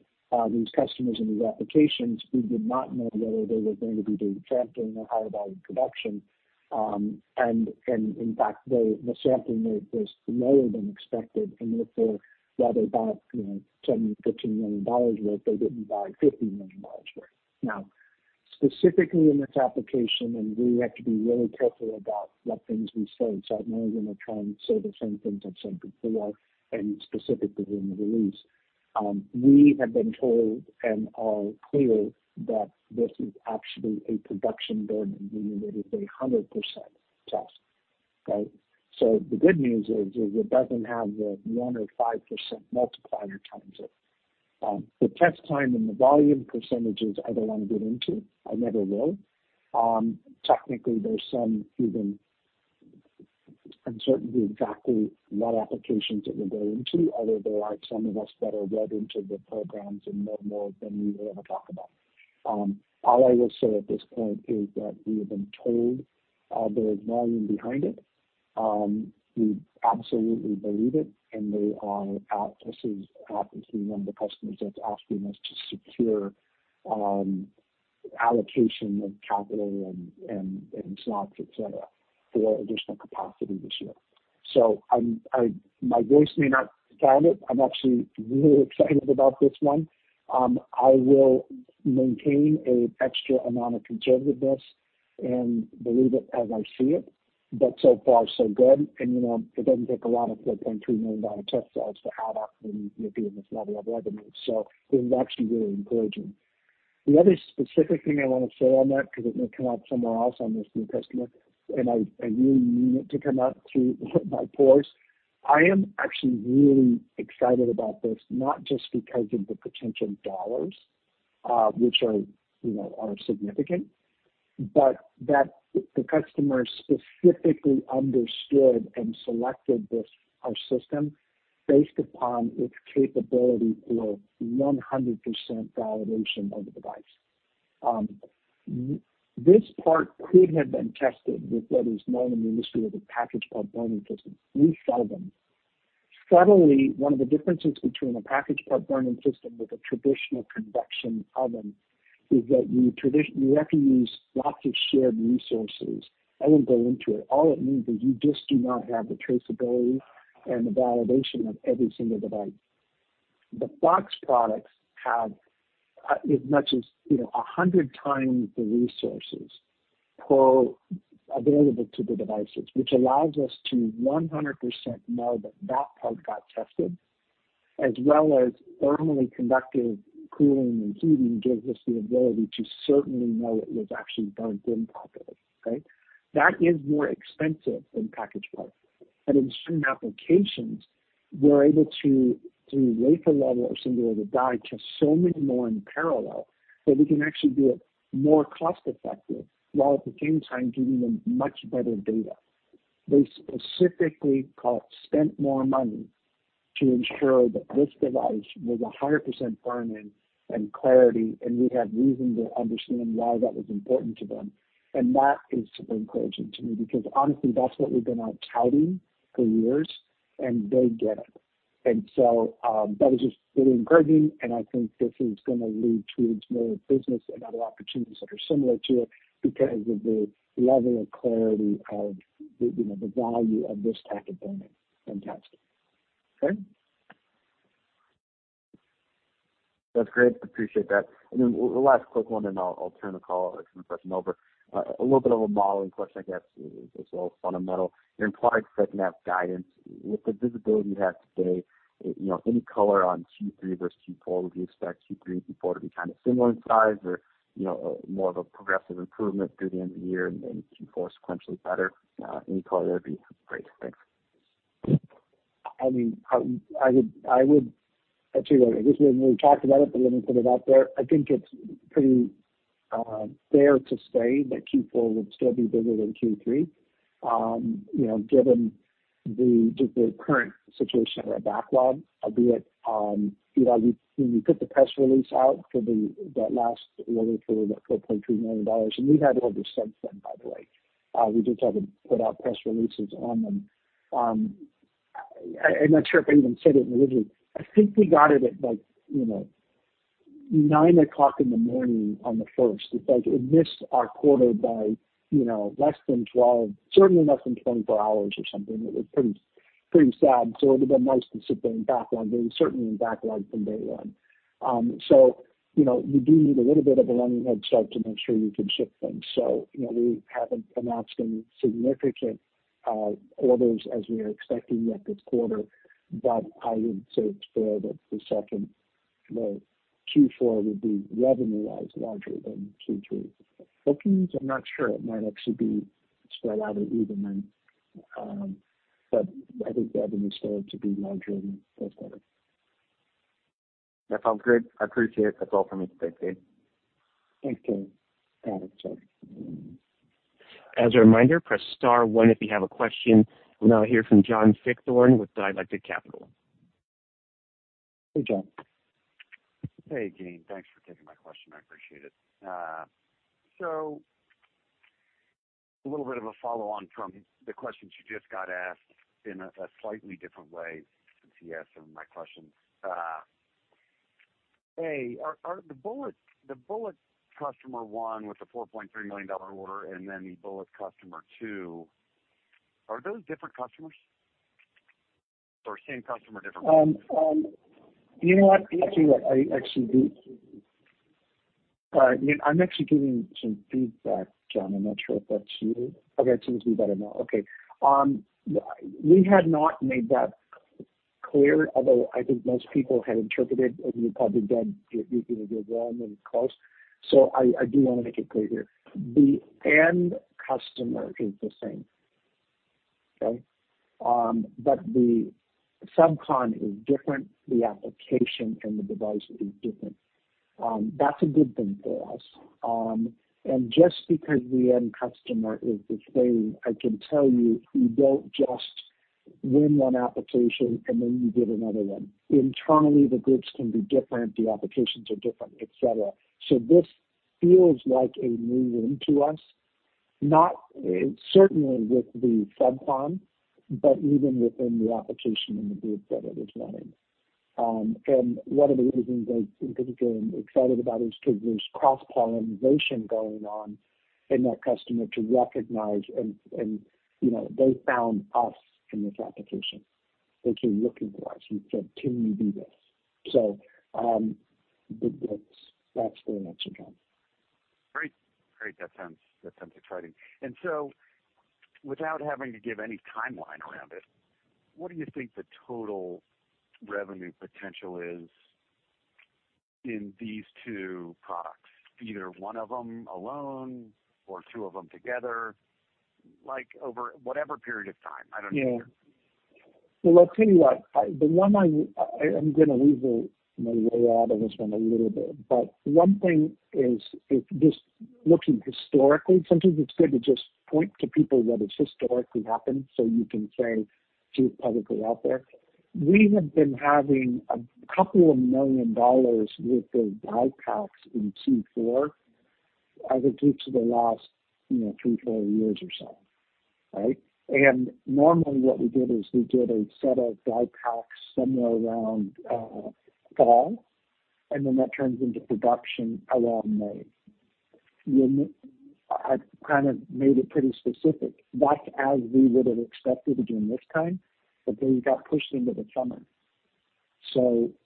these customers and these applications, we did not know whether they were going to be doing sampling or high-volume production. In fact, the sampling rate was lower than expected, and therefore, while they bought $10 million, 15 million worth, they didn't buy $50 million worth. Now, specifically in this application, and we have to be really careful about what things we say, so I'm not going to try and say the same things I've said before and specifically in the release. We have been told and are clear that this is actually a production burn-in unit. It's a 100% test. The good news is it doesn't have the 1% or 5% multiplier times it. The test time and the volume percentages, I don't want to get into. I never will. Technically, there's some even uncertainty exactly what applications it would go into, although there are some of us that are read into the programs and know more than we would ever talk about. All I would say at this point is that we have been told there is volume behind it. We absolutely believe it, and this is obviously one of the customers that's asking us to secure allocation of capital and stocks, et cetera, for additional capacity this year. So I-- my voice may not sound it. I'm actually really excited about this one. I will maintain an extra amount of conservativeness and believe it as I see it, so far so good. It doesn't take a lot of $4.3 million test cells to have us maybe in this level of revenue. It was actually really encouraging. The other specific thing I want to say on that, because it may come out somewhere else on this new customer, I really mean it to come out through my pores. I am actually really excited about this, not just because of the potential dollars, which are significant, but that the customer specifically understood and selected our system based upon its capability for 100% validation of the device. This part could have been tested with what is known in the industry as a package part burn-in system. We sell them. Subtly, one of the differences between a package part burn-in system with a traditional convection oven is that you have to use lots of shared resources. I won't go into it. All it means is you just do not have the traceability and the validation of every single device. The FOX products have as much as 100 times the resources available to the devices, which allows us to 100% know that part got tested, as well as thermally conductive cooling and heating gives us the ability to certainly know it was actually burned in properly. That is more expensive than package parts. In certain applications, we're able to, through wafer-level or singular die, test so many more in parallel that we can actually do it more cost-effective, while at the same time giving them much better data. They specifically spent more money to ensure that this device was 100% burn-in and clarity. We have reason to understand why that was important to them. That is super encouraging to me because honestly, that's what we've been out touting for years, and they get it. That is just really encouraging, and I think this is going to lead towards more business and other opportunities that are similar to it because of the level of clarity of the value of this package burn-in, and test. Okay? That's great. Appreciate that. The last quick one, and I'll turn the call and turn the question over. A little bit of a modeling question, I guess. It's all fundamental. You're implying second half guidance. With the visibility you have today, any color on Q3 versus Q4? Would you expect Q3 and Q4 to be kind of similar in size or more of a progressive improvement through the end of the year and then Q4 sequentially better? Any color there would be great. Thanks. I would actually, this is when we talked about it. Let me put it out there. I think it's pretty fair to say that Q4 would still be bigger than Q3, given the current situation of our backlog, albeit when we put the press release out for that last order for the $4.3 million. We had orders since then, by the way. We just haven't put out press releases on them. I'm not sure if I even said it in the release. I think we got it at, you know, 9:00 A.M. in the morning on the first. It missed our quarter by less than 12, certainly less than 24 hours or something. It was pretty sad. It would have been nice to ship it in backlog. It was certainly in backlog from day one. So, you know, you do need a little bit of a running head start to make sure you can ship things. We haven't announced any significant orders as we are expecting yet this quarter, but I would say it's fair that Well, Q4 would be revenue-wise larger than Q3. Bookings, I'm not sure. It might actually be still rather even, but I think revenue is going to be larger than fourth quarter. That sounds great. I appreciate it. That's all for me. Thanks, Gayn. Thanks, Tyler. Got it. Sure. As a reminder, press star one if you have a question. We'll now hear from John Fichthorn with Dialectic Capital. Hey, John. Hey, Gayn. Thanks for taking my question. I appreciate it. A little bit of a follow on from the questions you just got asked in a slightly different way since he asked some of my questions. A, the bullet customer one with the $4.3 million order and then the bullet customer two, are those different customers? Or same customer? You know what? Let me see. I actually do, alright, I'm actually getting some feedback, John. I'm not sure if that's you. Okay, it seems to be better now. Okay. We had not made that clear, although I think most people had interpreted, as you probably did, you did well, I mean, close. I do want to make it clear here. The end customer is the same. Okay. The subcon is different. The application and the device is different. That's a good thing for us. Just because the end customer is the same, I can tell you don't just win one application and then you get another one. Internally, the goods can be different, the applications are different, et cetera. This feels like a new win to us, certainly with the subcon, but even within the application and the goods that it is running. One of the reasons I think I'm excited about is because there's cross-pollination going on in that customer to recognize. And, and.. You know, they found us in this application. They came looking for us and said, "Can you do this?" That's very much again. Great. That sounds exciting. Without having to give any timeline around it, what do you think the total revenue potential is in these two products? Either one of them alone or two of them together, over whatever period of time. I don't care. Yeah. Well, I'll tell you what. I'm going to leave my way out of this one a little bit. One thing is, just looking historically, sometimes it's good to just point to people what has historically happened, so you can say to the public who are out there. We have been having a couple of million dollars with the DiePaks in Q4 as it gets to the last three, four years or so. Right? Normally what we did is we did a set of DiePaks somewhere around fall, and then that turns into production around May. I kind of made it pretty specific. That's as we would have expected during this time, but then we got pushed into the summer.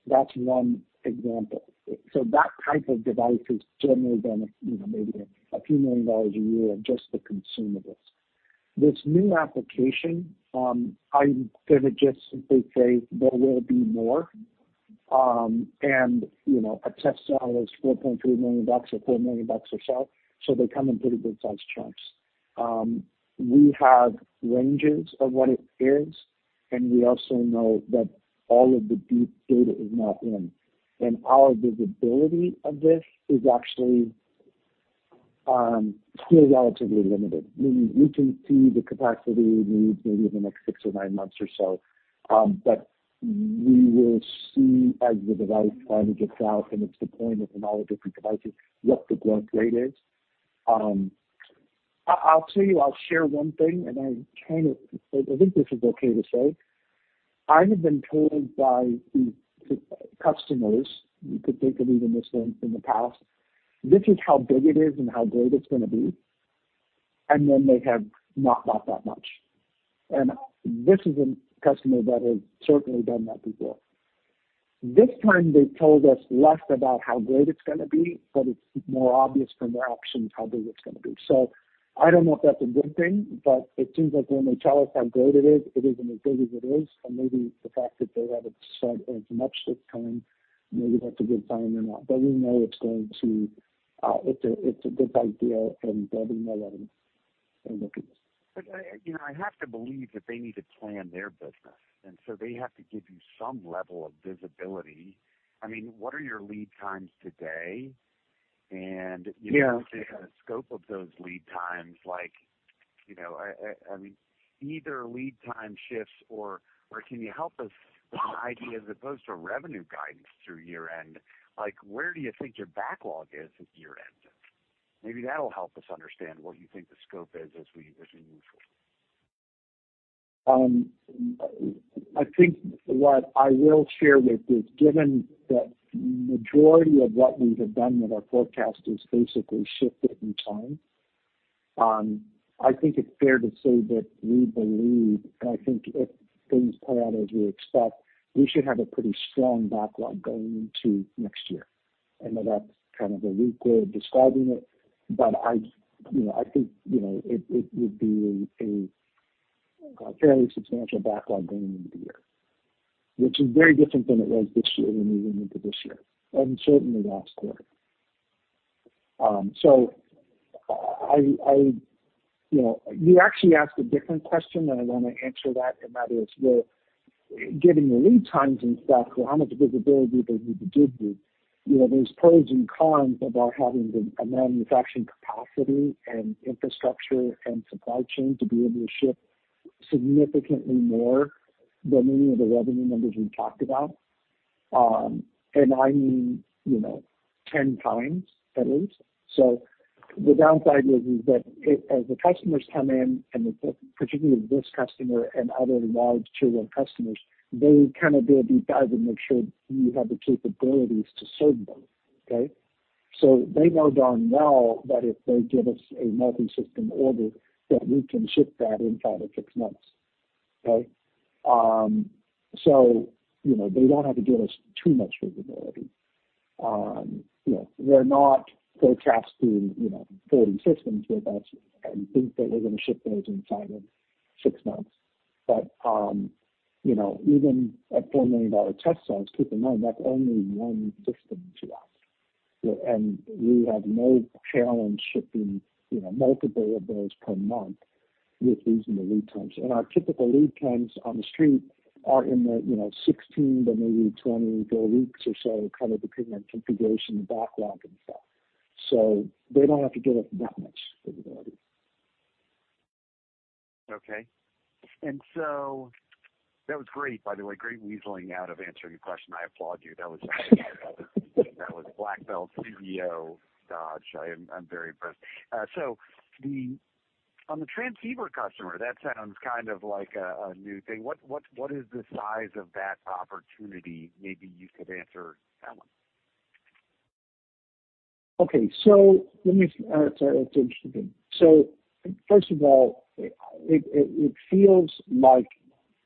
That's one example. That type of device has generally been maybe a few million dollars a year of just the consumables. This new application, I'm going to just simply say there will be more. And you know, a test sell is $4.3 million or 4 million or so, they come in pretty good size chunks. We have ranges of what it is. We also know that all of the deep data is not in. And our visibility of this is actually still relatively limited, meaning we can see the capacity we need maybe in the next six or nine months or so. We will see as the device kind of gets out and it's deployed within all the different devices, what the growth rate is. I'll tell you, I'll share one thing. I think this is okay to say. I have been told by the customers, they've given this to us in the past, this is how big it is and how great it's going to be, and then they have not bought that much. And this is a customer that has certainly done that before. This time they've told us less about how great it's going to be, but it's more obvious from their actions how big it's going to be. I don't know if that's a good thing, but it seems like when they tell us how great it is, it isn't as big as it is. Maybe the fact that they haven't said as much this time, maybe that's a good sign or not. We know it's a good idea, and they'll be more of them in the future. I have to believe that they need to plan their business, and so they have to give you some level of visibility. What are your lead times today? Yeah. And you know, if they had a scope of those lead times, either lead time shifts or can you help us with ideas as opposed to revenue guidance through year end? Where do you think your backlog is at year end? Maybe that'll help us understand what you think the scope is as we move forward? I think what I will share with you, given that majority of what we have done with our forecast is basically shifted in time, I think it's fair to say that we believe, and I think if things play out as we expect, we should have a pretty strong backlog going into next year. I know that's kind of a weak way of describing it, but I think it would be a fairly substantial backlog going into the year, which is very different than it was this year when we went into this year, and certainly last quarter. So I, you know, you actually asked a different question, and I want to answer that, and that is, given the lead times and stuff, how much visibility does it give you? There's pros and cons about having a manufacturing capacity and infrastructure and supply chain to be able to ship significantly more than many of the revenue numbers we've talked about. I mean 10 times at least. The downside is that as the customers come in, and particularly this customer and other large tier 1 customers, they do a deep dive and make sure you have the capabilities to serve them. Okay? So they know darn well that if they give us a multi-system order, that we can ship that in five or six months. Okay? They won't have to give us too much visibility. They're not contracting 40 systems with us and think that we're going to ship those inside of six months. But, you know, even a $4 million test size, keep in mind, that's only one system to us. We have no challenge shipping multiple of those per month with reasonable lead times. Our typical lead times on the street are in the 16 to maybe 24 weeks or so, kind of depending on configuration, backlog, and stuff. They don't have to give us that much visibility. Okay. And so.. That was great, by the way, great weaseling out of answering a question. I applaud you. That was black belt CEO dodge. I'm very impressed. On the transceiver customer, that sounds kind of like a new thing. What is the size of that opportunity? Maybe you could answer that one. Okay, so, it's interesting. First of all, it feels like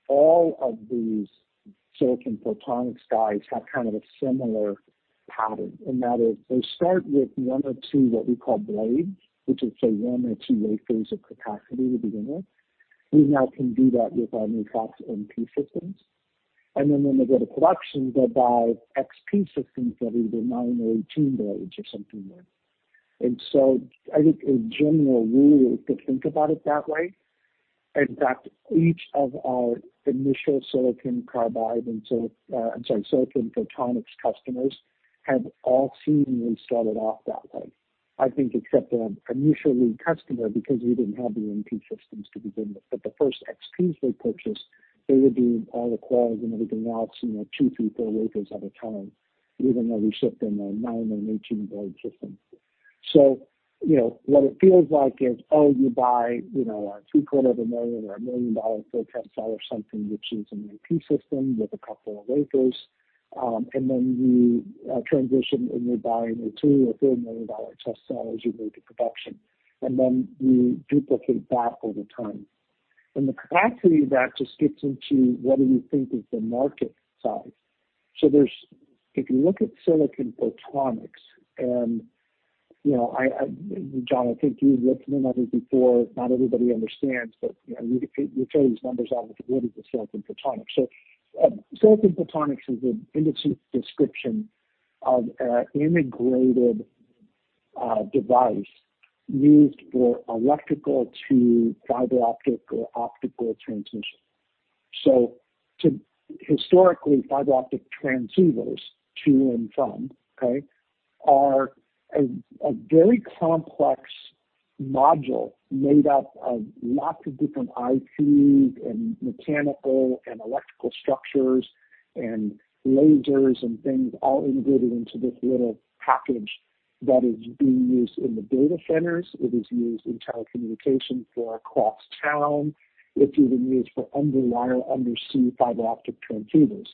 all of these silicon photonics guys have kind of a similar pattern, and that is they start with one or two, what we call blades, which is say one or two wafers of capacity to begin with. We now can do that with our new FOX-NP systems. Then when they go to production, they buy XP systems that are either nine or 18 blades or something more. And so, I think a general rule is to think about it that way. In fact, each of our initial silicon photonics customers have all seemingly started off that way. I think except our initial lead customer, because we didn't have the NP systems to begin with. The first XPs they purchased, they were doing all the quals and everything else in two, three, four wafers at a time, even though we ship them a nine or 18 blade system. So, you know, what it feels like is, oh, you buy our $0.75 million or 1 million field test cell or something, which is an NP system with a couple of wafers. You transition, and you're buying a $2 million or 3 million test cell as you move to production. You duplicate that over time. The capacity of that just gets into what do you think is the market size. So, there's.. If you look at silicon photonics, and, you know, John, I think you've looked into that before. Not everybody understands, but we throw these numbers out, what is a silicon photonics? Silicon photonics is an industry description of an integrated device used for electrical to fiber optic or optical transmission. Historically, fiber optic transceivers, to and from, okay, are a very complex module made up of lots of different IPs and mechanical and electrical structures and lasers and things all integrated into this little package that is being used in the data centers. It is used in telecommunication for across town. It's even used for underwater, undersea fiber optic transceivers.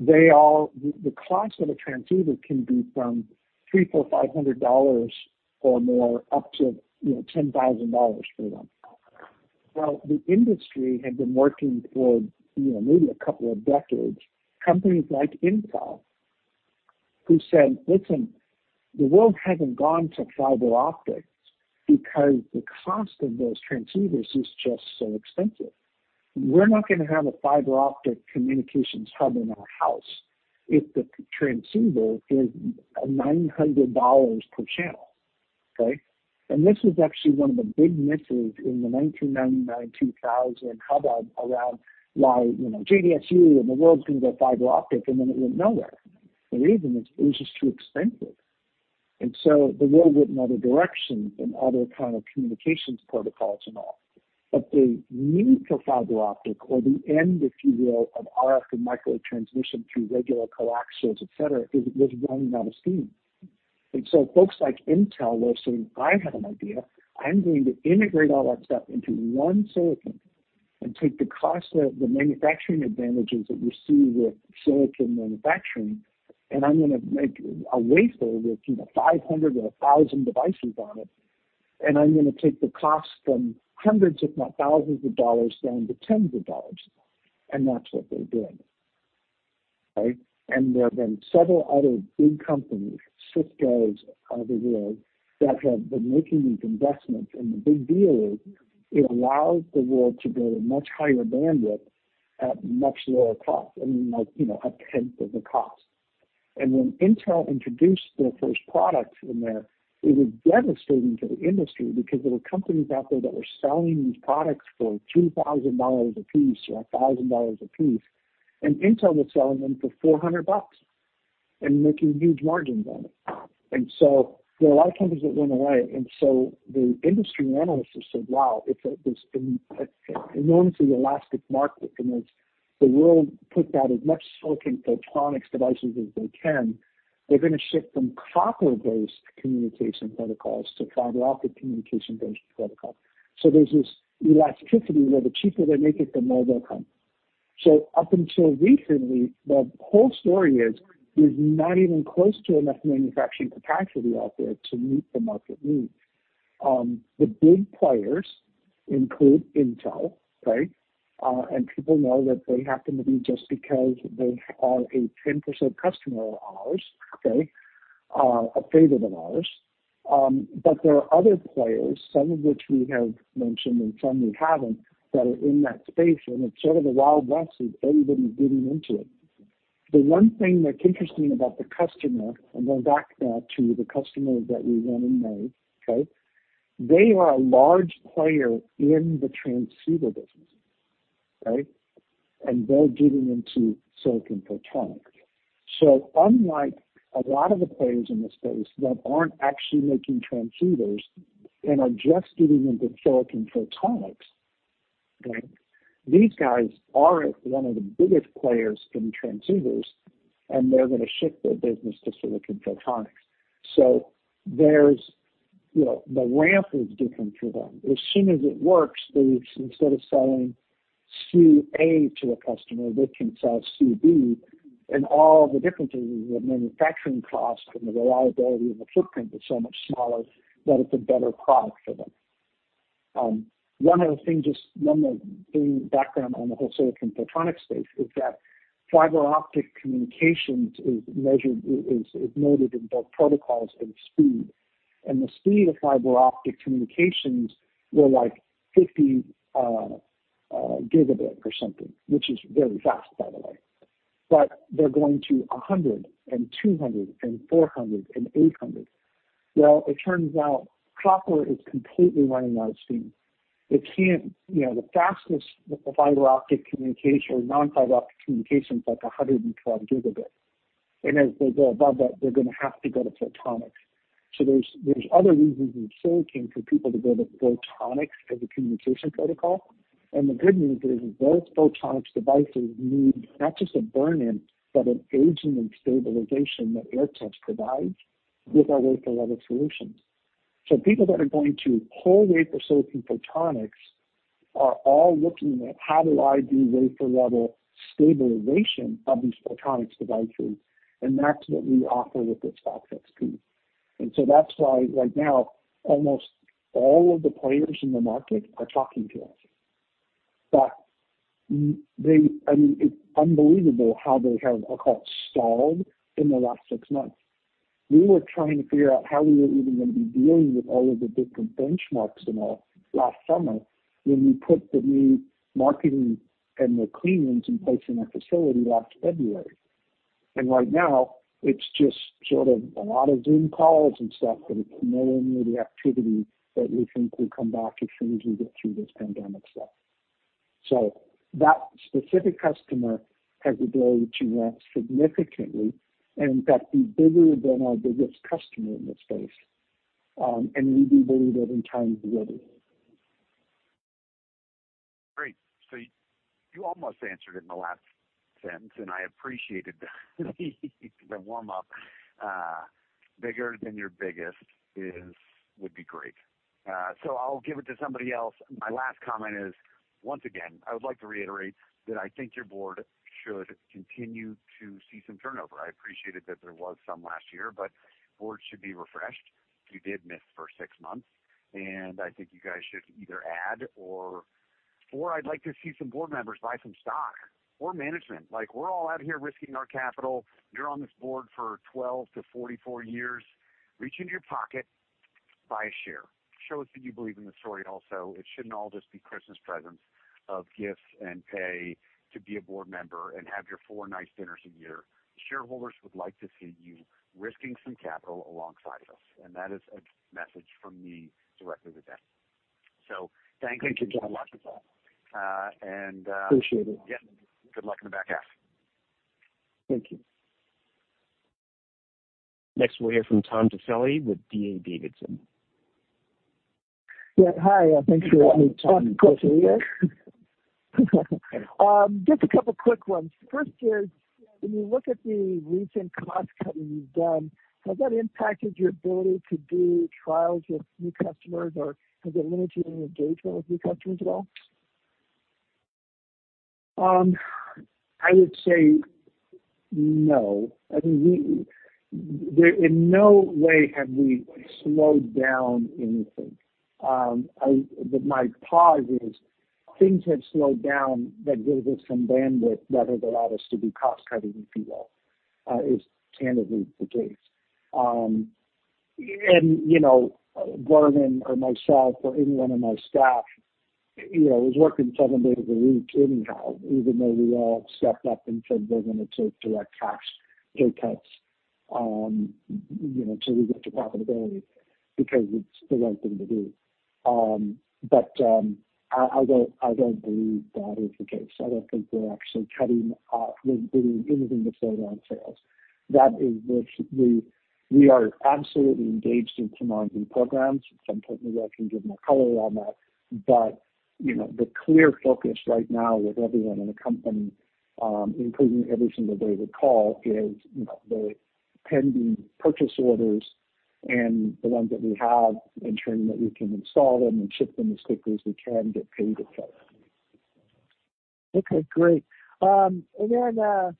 They all.. The cost of a transceiver can be from $300, 400, $500 or more, up to 10,000 for them. The industry had been working for, you know, maybe a couple of decades, companies like Intel, who said, "Listen, the world hasn't gone to fiber optics because the cost of those transceivers is just so expensive. We're not going to have a fiber optic communications hub in our house if the transceiver is $900 per channel." Okay? This was actually one of the big misses in the 1999, 2000 hubbub around why JDSU and the world's going to go fiber optic, and then it went nowhere. The reason is, it was just too expensive. And so the world went in other directions and other kind of communications protocols and all. But the need for fiber optic or the end, if you will, of RF and microwave transmission through regular coaxials, et cetera, was running out of steam. Folks like Intel were saying, "I have an idea. I'm going to integrate all that stuff into one silicon and take the cost out, the manufacturing advantages that we see with silicon manufacturing, and I'm going to make a wafer with 500 or 1,000 devices on it, and I'm going to take the cost from hundreds, if not thousands of dollars, down to tens of dollars. And that's what they're doing. Right. There have been several other big companies, Cisco of the world, that have been making these investments. The big deal is it allows the world to go to much higher bandwidth at much lower cost, like a 10th of the cost. And when Intel introduced their first product in there, it was devastating to the industry because there were companies out there that were selling these products for $2,000 a piece or $1,000 apiece, and Intel was selling them for $400 and making huge margins on it. And so, there are a lot of companies that went away. The industry analysts have said, wow, it's an enormously elastic market, and as the world puts out as much silicon photonics devices as they can, they're going to shift from copper-based communication protocols to fiber optic communication-based protocol. So there's this elasticity where the cheaper they make it, the more they'll come. So, up until recently, the whole story is there's not even close to enough manufacturing capacity out there to meet the market needs. The big players include Intel, right? People know that they happen to be just because they are a 10% customer of ours, okay, a favorite of ours. There are other players, some of which we have mentioned and some we haven't, that are in that space, and it's sort of a wild west of everybody's getting into it. The one thing that's interesting about the customer, I'm going back now to the customer that we won in May, okay. They are a large player in the transceiver business, right? And they're getting into silicon photonics. Unlike a lot of the players in the space that aren't actually making transceivers and are just getting into silicon photonics, okay? These guys are one of the biggest players in transceivers, and they're going to shift their business to silicon photonics. So there's, you know, the ramp is different for them. As soon as it works, they, instead of selling C/A to a customer, they can sell C/B, and all the differences in the manufacturing cost and the reliability and the footprint is so much smaller that it's a better product for them. One other thing, just one other thing, background on the whole silicon photonics space is that fiber optic communications is measured, is noted in both protocols and speed. The speed of fiber optic communications were like 50 Gb or something, which is very fast, by the way. They're going to 100 Gb, and 200 Gb, and 400 Gb, and 800 Gb. Well, it turns out copper is completely running out of steam. The fastest fiber optic communication, or non-fiber optic communication, is like 112 Gb. As they go above that, they're going to have to go to photonics. There's other reasons in silicon for people to go to photonics as a communication protocol. The good news is those photonics devices need not just a burn-in, but an aging and stabilization that Aehr Test provides with our wafer-level solutions. People that are going to whole wafer silicon photonics are all looking at how do I do wafer-level stabilization of these photonics devices? That's what we offer with this FOX-XP team. That's why right now, almost all of the players in the market are talking to us. It's unbelievable how they have, I'll call it stalled, in the last six months. We were trying to figure out how we were even going to be dealing with all of the different benchmarks and all last summer when we put the new marketing and the clean rooms in place in our facility last February. And right now, it's just sort of a lot of Zoom calls and stuff, but it's nowhere near the activity that we think will come back as soon as we get through this pandemic stuff. So that specific customer has the ability to ramp significantly and, in fact, be bigger than our biggest customer in the space. We believe that in time he will. Great. You almost answered in the last sentence, and I appreciated the warm-up. Bigger than your biggest would be great. I'll give it to somebody else. My last comment is, once again, I would like to reiterate that I think your board should continue to see some turnover. I appreciated that there was some last year. Boards should be refreshed. You did miss for six months. I think you guys should either add, or I'd like to see some board members buy some stock, or management. We're all out here risking our capital. You're on this board for 12 to 44 years. Reach into your pocket, buy a share. Show us that you believe in the story also. It shouldn't all just be Christmas presents of gifts and pay to be a board member and have your four nice dinners a year. Shareholders would like to see you risking some capital alongside us. That is a message from me directly to them. So, thank you. Thank you, John. And. Appreciate it. Yeah, good luck in the back half. Thank you. Next, we'll hear from Tom Diffely with D.A. Davidson. Yeah. Hi, thanks for letting me talk to you. Just a couple quick ones. First is, when you look at the recent cost cutting you've done, has that impacted your ability to do trials with new customers, or has it limited your engagement with new customers at all? I would say no. In no way have we slowed down anything. But my pause is, things have slowed down that gives us some bandwidth that has allowed us to do cost-cutting if need be, is candidly the case. Vernon or myself or anyone on my staff was working seven days a week anyhow, even though we all stepped up and said we're going to take direct cash pay cuts, you know, till we get to profitability because it's the right thing to do. But I don't believe that is the case. I don't think we're actually cutting off. We're doing anything with slowdown sales. We are absolutely engaged in commanding programs. At some point maybe I can give more color on that. But you know, the clear focus right now with everyone in the company, improving every single day, the call is the pending purchase orders and the ones that we have ensuring that we can install them and ship them as quickly as we can get paid, et cetera. Okay, great. And then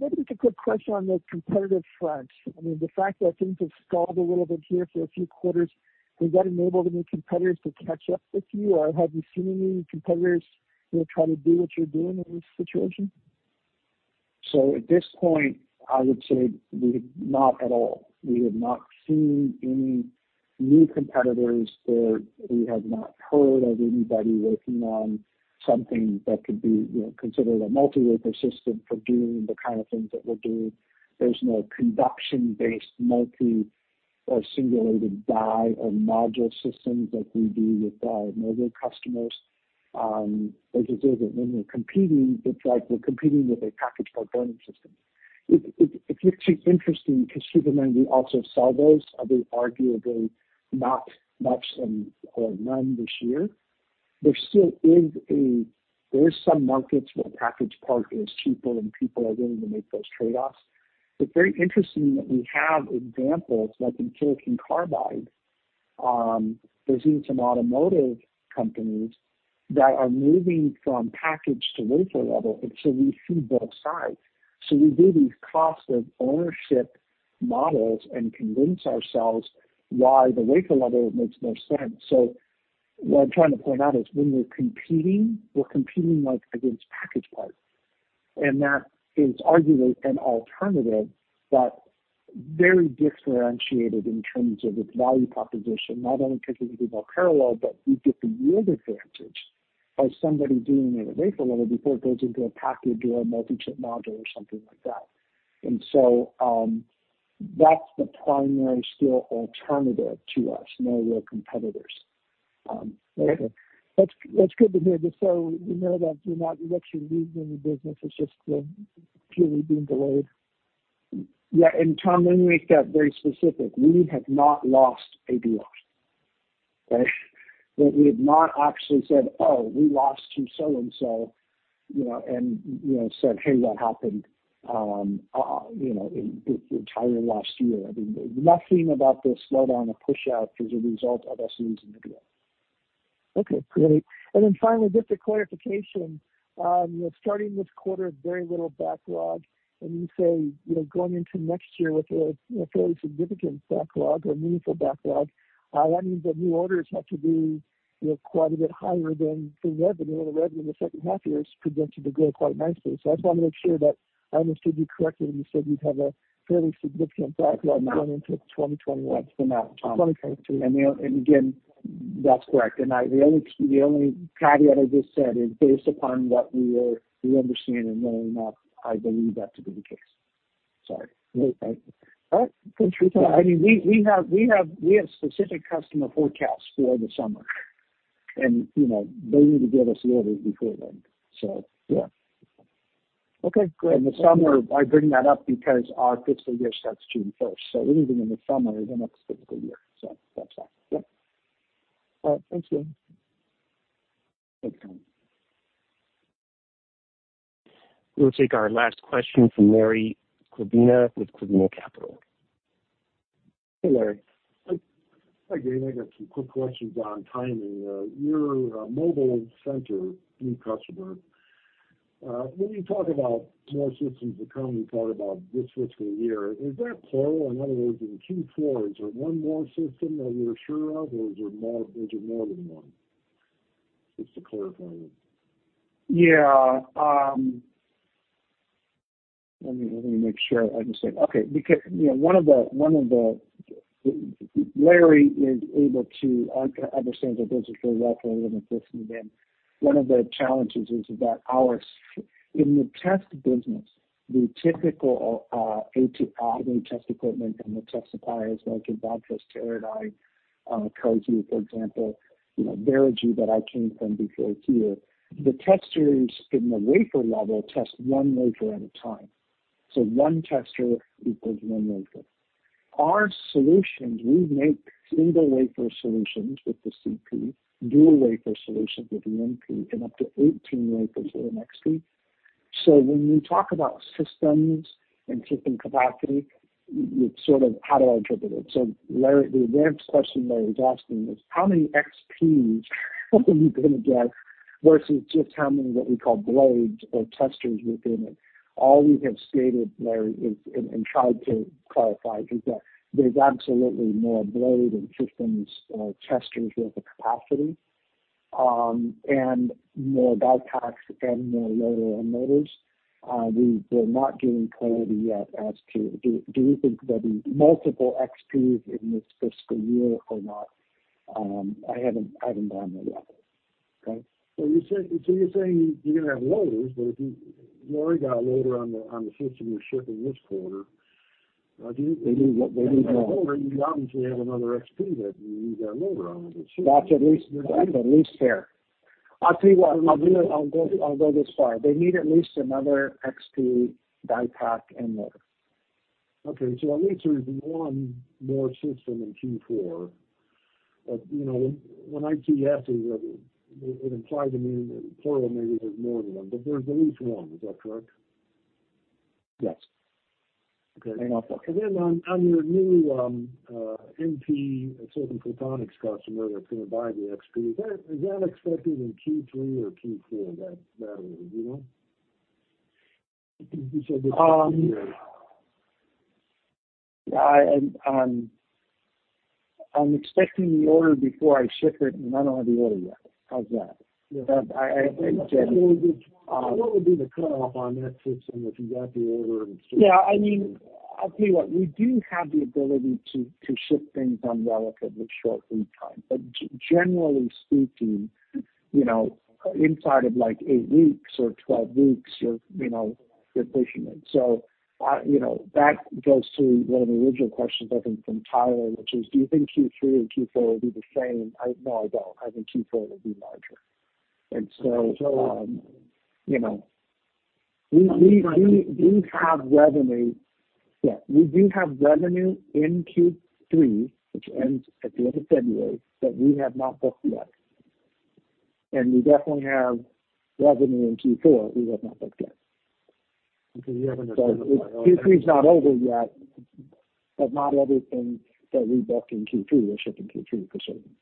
let me take a quick question on the competitive front. The fact that things have stalled a little bit here for a few quarters, has that enabled any competitors to catch up with you, or have you seen any competitors try to do what you're doing in this situation? At this point, I would say not at all. We have not seen any new competitors there. We have not heard of anybody working on something that could be considered a multi-wafer system for doing the kind of things that we're doing. There's no conduction-based multi or single loaded die or module systems like we do with our mobile customers. As a result, when we're competing, it's like we're competing with a DiePak burn-in system. It's interesting because keep in mind we also sell those, albeit arguably not much or none this year. There still is a.. There's some markets where packaged part is cheaper and people are willing to make those trade-offs. Very interestingly, we have examples like in silicon carbide, there's even some Automotive companies that are moving from package to wafer level, and so we see both sides. So we do these cost of ownership models and convince ourselves why the wafer level makes more sense. So, what I'm trying to point out is when we're competing, we're competing against package parts, and that is arguably an alternative, but very differentiated in terms of its value proposition. Not only can we do more parallel, but we get the yield advantage of somebody doing it at wafer level before it goes into a package or a multi-chip module or something like that. And so that's the primary still alternative to us, no real competitors. Okay. That's good to hear. Just so we know that you're not losing any business, it's just purely being delayed. Yeah. Tom, let me make that very specific. We have not lost a deal. Okay? We have not actually said, "Oh, we lost to so and so," and said, "Hey, what happened?", you know, the entire last year. Nothing about the slowdown, the pushout is a result of us losing a deal. Okay, great. Finally, just a clarification. Starting this quarter, very little backlog, and you say, going into next year with a fairly significant backlog or meaningful backlog. That means the new orders have to be quite a bit higher than the revenue, and the revenue in the second half of the year is projected to grow quite nicely. I just want to make sure that I understood you correctly when you said you'd have a fairly significant backlog going into 2021. For now, Tom. 2022. Again, that's correct. The only caveat I just said is based upon what we understand and know now, I believe that to be the case. Sorry. No. Thank you. All right. I mean, we have specific customer forecasts for the summer. They need to give us orders before then. Yeah. Okay, great. In the summer, I bring that up because our fiscal year starts June 1st. Anything in the summer is our next fiscal year. That's why. Yep. All right. Thank you. Thanks, Tom. We'll take our last question from Larry Chlebina with Chlebina Capital. Hey, Larry. Hi, Gayn. I got some quick questions on timing. Your mobile center new customer. When you talk about more systems to come, you talk about this fiscal year. Is that plural? In other words, in Q4, is there one more system that you're sure of, or is there more than one? Just to clarify. Yeah. Let me make sure I understand. Okay. You know, one of the, one of the.. Larry is able to understand the business very well because. [inaudible] One of the challenges is that ours— in the test business, the typical AT— automated test equipment and the test suppliers like Advantest, Teradyne, Cohu, for example, Verigy, that I came from before here. The testers in the wafer-level test one wafer at a time. One tester equals one wafer. Our solutions, we make single-wafer solutions with the CP, dual-wafer solutions with the MP, and up to 18 wafers with an XP. When we talk about systems and shipping capacity, you sort of how do I interpret it? Larry, the advanced question Larry is asking is how many XPs are you going to get versus just how many what we call blades or testers within it? All we have stated, Larry, is and tried to clarify that there's absolutely more blade and systems testers with the capacity. More DiePaks and more loaders and unloaders. We're not giving clarity yet as to do we think there'll be multiple XPs in this fiscal year or not. I haven't gotten there yet. Okay. You're saying you're going to have loaders, but if you already got a loader on the system you're shipping this quarter. They need more. You obviously have another XP that you need that loader on that you're shipping. That's at least there. I'll tell you what, I'll go this far. They need at least another XP DiePak and loader. Okay, at least there's one more system in Q4, you know, when, [inaudible] It implies to me that plural maybe there's more than one, but there's at least one. Is that correct? Yes. Okay. Hang on for it. On your new NP, a certain photonics customer that's going to buy the XP, is that expected in Q3 or Q4? Do you know? You said this was Q3. I'm expecting the order before I ship it, and I don't have the order yet. How's that? What would be the cutoff on that system if you got the order this week? Yeah, I'll tell you what. We do have the ability to ship things on relatively short lead time. Generally speaking, inside of like eight weeks or 12 weeks, you're pushing it. That goes to one of the original questions, I think, from Tyler, which is do you think Q3 and Q4 will be the same? No, I don't. I think Q4 will be larger. And, so. We do have revenue, yeah. We do have revenue in Q3, which ends at the end of February, that we have not booked yet. We definitely have revenue in Q4 we have not booked yet. Okay. You haven't identified. Q3 is not over yet, but not everything that we book in Q2 will ship in Q2, for certain.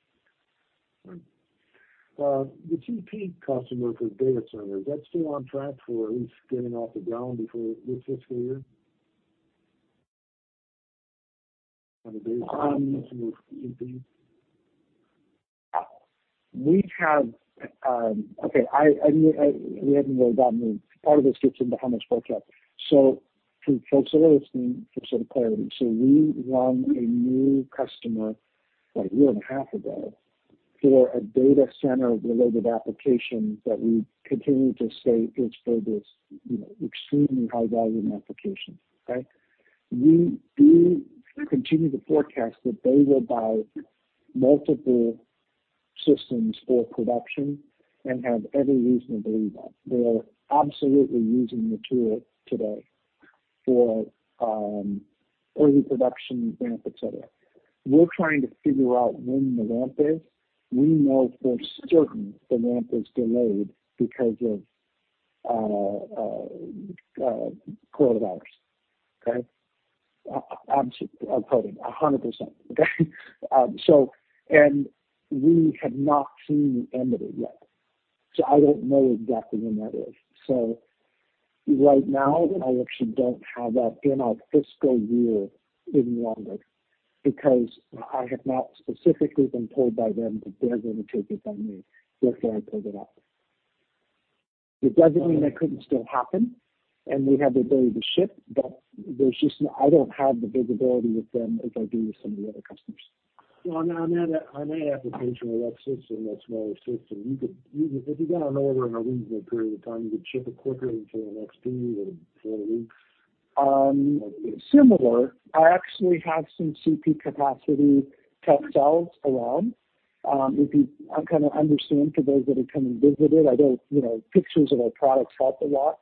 The [inaudible] customer for data center, is that still on track for at least getting off the ground before this fiscal year? On the data center. [inaudible] Okay. We haven't really gotten the part of the system behind this forecast. For clarity, we won a new customer a year and a half ago for a data center related application that we continue to say is for this extremely high-volume application. We do continue to forecast that they will buy multiple systems for production and have every reason to believe that. They're absolutely using the tool today for early production ramp, et cetera. We're trying to figure out when the ramp is. We know for certain the ramp is delayed because of coronavirus. I'll quote him, 100%. We have not seen the end of it yet. I don't know exactly when that is. Right now, I actually don't have that in our fiscal year anymore because I have not specifically been told by them that they're going to take it by me before I close it out. It doesn't mean that couldn't still happen, and we have the ability to ship, but I don't have the visibility with them as I do with some of the other customers. On that application or that system, that loader system, if you got an order in a reasonable period of time, you could ship it quicker than say an XP, in four weeks? Similar. I actually have some FOX-CP capacity test cells around. I kind of understand for those that have come and visited, I know pictures of our products help a lot.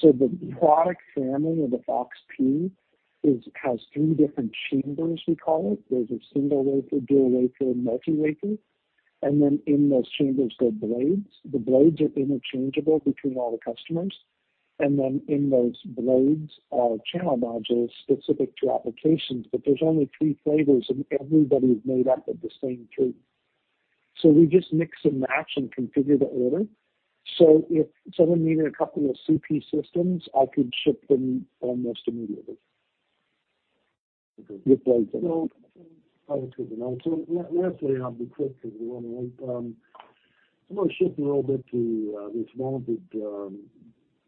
The product family of the FOX-P has three different chambers, we call it. There's a single wafer, dual wafer, multi wafer. In those chambers, there are blades. The blades are interchangeable between all the customers. And then in those blades are channel modules specific to applications, but there's only three flavors, and everybody is made up of the same three. We just mix and match and configure the order. If someone needed a couple of FOX-CP systems, I could ship them almost immediately. Okay. With blades in them. Lastly, I'll be quick because we're running late. I want to shift a little bit to this mounted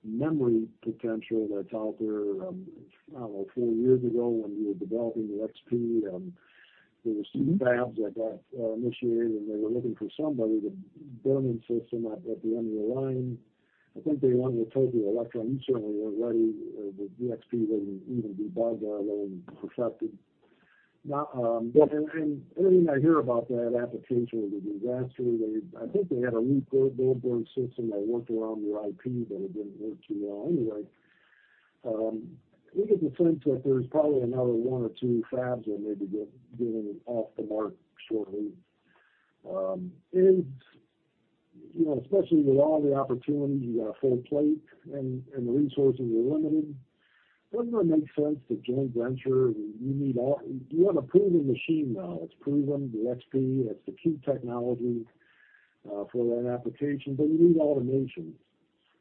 memory potential that's out there. I don't know, four years ago when we were developing the XP, there were some fabs that got initiated, and they were looking for somebody to build them a system at the end of the line. I think they went with Tokyo Electron. We certainly were ready. The XP was even debugged, although perfected. Anything I hear about that application was a disaster. I think they had a [inaudible] system that worked around their IP, but it didn't work too well anyway. It would make sense that there's probably another one or two fabs that may be getting off the mark shortly. And, you know, especially with all the opportunities, you got a full plate and the resources are limited. Wouldn't it make sense to joint venture? You have a proven machine now. It's proven, the XP, it's the key technology for that application, but you need automation,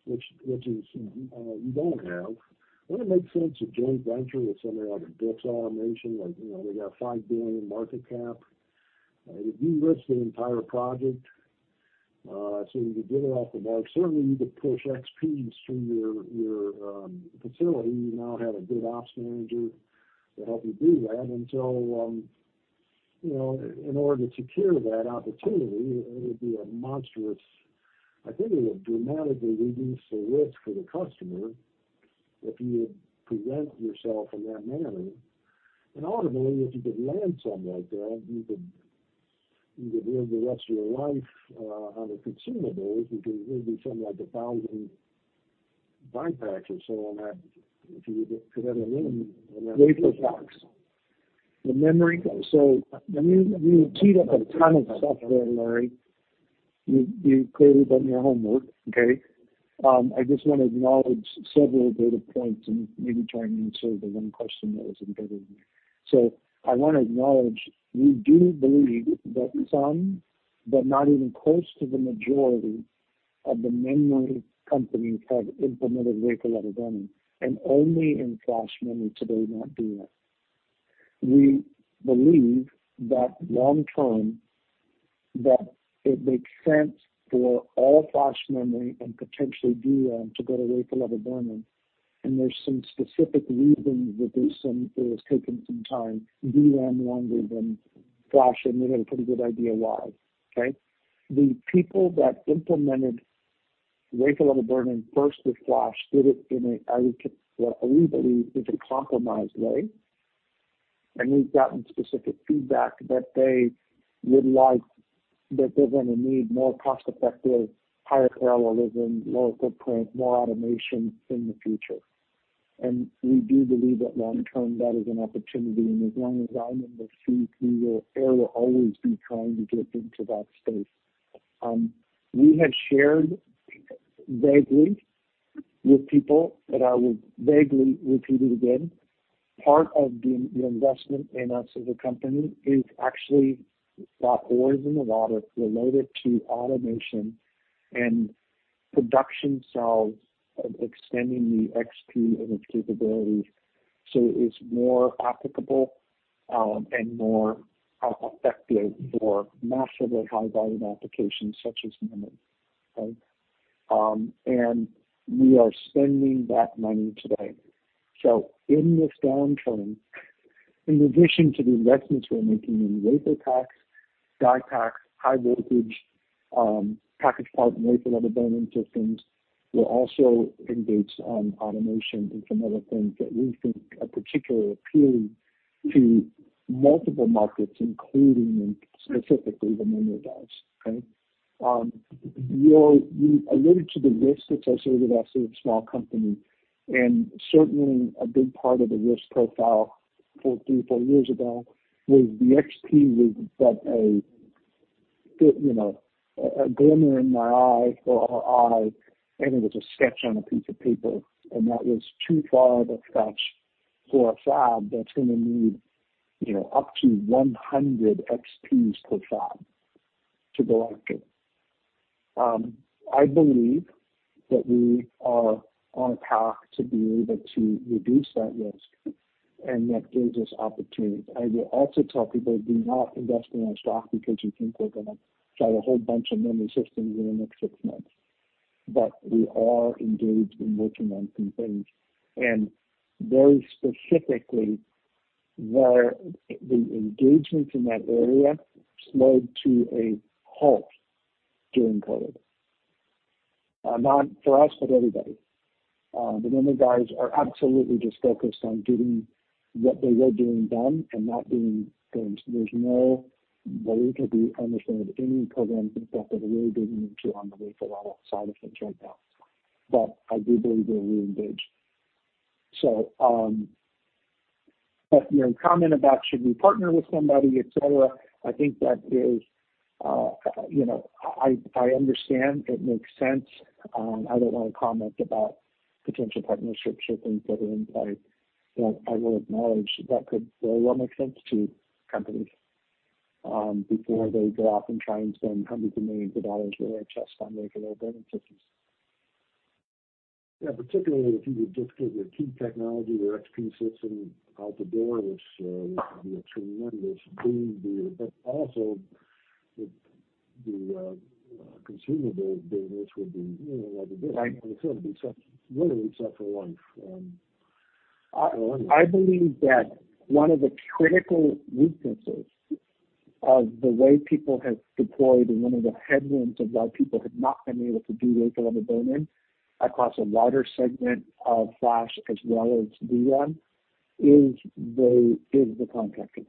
which you don't have. Would it make sense to joint venture with somebody out of Brooks Automation? They got $5 billion market cap. You risk the entire project, so you could get it off the mark. Certainly, you could push XPs through your facility. You now have a good ops manager to help you do that. In order to secure that opportunity, I think it would dramatically reduce the risk for the customer if you would present yourself in that manner. Ultimately, if you could land something like that, you could live the rest of your life on the consumables. It would be something like 1,000 DiePaks or so on that, if you could have a win on that. WaferPaks. The memory. You teed up a ton of stuff there, Larry. You've clearly done your homework. Okay. I just want to acknowledge several data points and maybe try and answer the one question that was embedded in there. I want to acknowledge, we do believe that some, but not even close to the majority of the memory companies have implemented wafer-level burn-in, and only in flash memory do they not do that. We believe that long-term, that it makes sense for all flash memory and potentially DRAM to go to wafer-level burn-in, and there's some specific reasons that this has taken some time, DRAM longer than flash, and we have a pretty good idea why. Okay. The people that implemented wafer level burn-in first with flash did it in a, we believe, is a compromised way. We've gotten specific feedback that they're going to need more cost-effective, higher parallelism, lower footprint, more automation in the future. We do believe that long-term, that is an opportunity, and as long as I'm in the seat, we will ever always be trying to get into that space. We had shared vaguely with people that I will vaguely repeat it again, part of the investment in us as a company is actually got oars in the water related to automation and production cells extending the XP and its capabilities, so it is more applicable, and more cost-effective for massively high-volume applications such as memory. Okay. We are spending that money today. In this downturn, in addition to the investments we're making in WaferPaks, DiePaks, high voltage, package part and wafer level burn-in systems, we're also engaged on automation and some other things that we think are particularly appealing to multiple markets, including and specifically the memory guys. Okay. You alluded to the risk associated with us as a small company, and certainly a big part of the risk profile for three or four years ago was the XP was but a glimmer in my eye, or our eye, and it was a sketch on a piece of paper, and that was too far of a stretch for a fab that's going to need up to 100 XPs per fab to go after it. I believe that we are on a path to be able to reduce that risk, and that gives us opportunities. I will also tell people, do not invest in our stock because you think we're going to sell a whole bunch of memory systems in the next six months. But we are engaged in working on some things, and very specifically, the engagement in that area slowed to a halt during COVID. Not for us, but everybody. [inaudible] guys are absolutely just focused on getting what they were doing done and not doing things. There's no belief or the understanding of any programs except that they're really digging into on the wafer level side of things right now. I do believe we're reengaged. Your comment about should we partner with somebody, et cetera, I understand it makes sense. I don't want to comment about potential partnerships or things that are in play, but I will acknowledge that could very well make sense to companies before they go off and try and spend hundreds and millions of dollars of their chest on wafer-level bonding systems. Particularly if you would just get your key technology, your XP system out the door, which would be a tremendous boon, but also the consumable business would be like I said, really set for life. I believe that one of the critical weaknesses of the way people have deployed and one of the headwinds of why people have not been able to do wafer level burn-in across a wider segment of flash as well as DRAM is the contactor,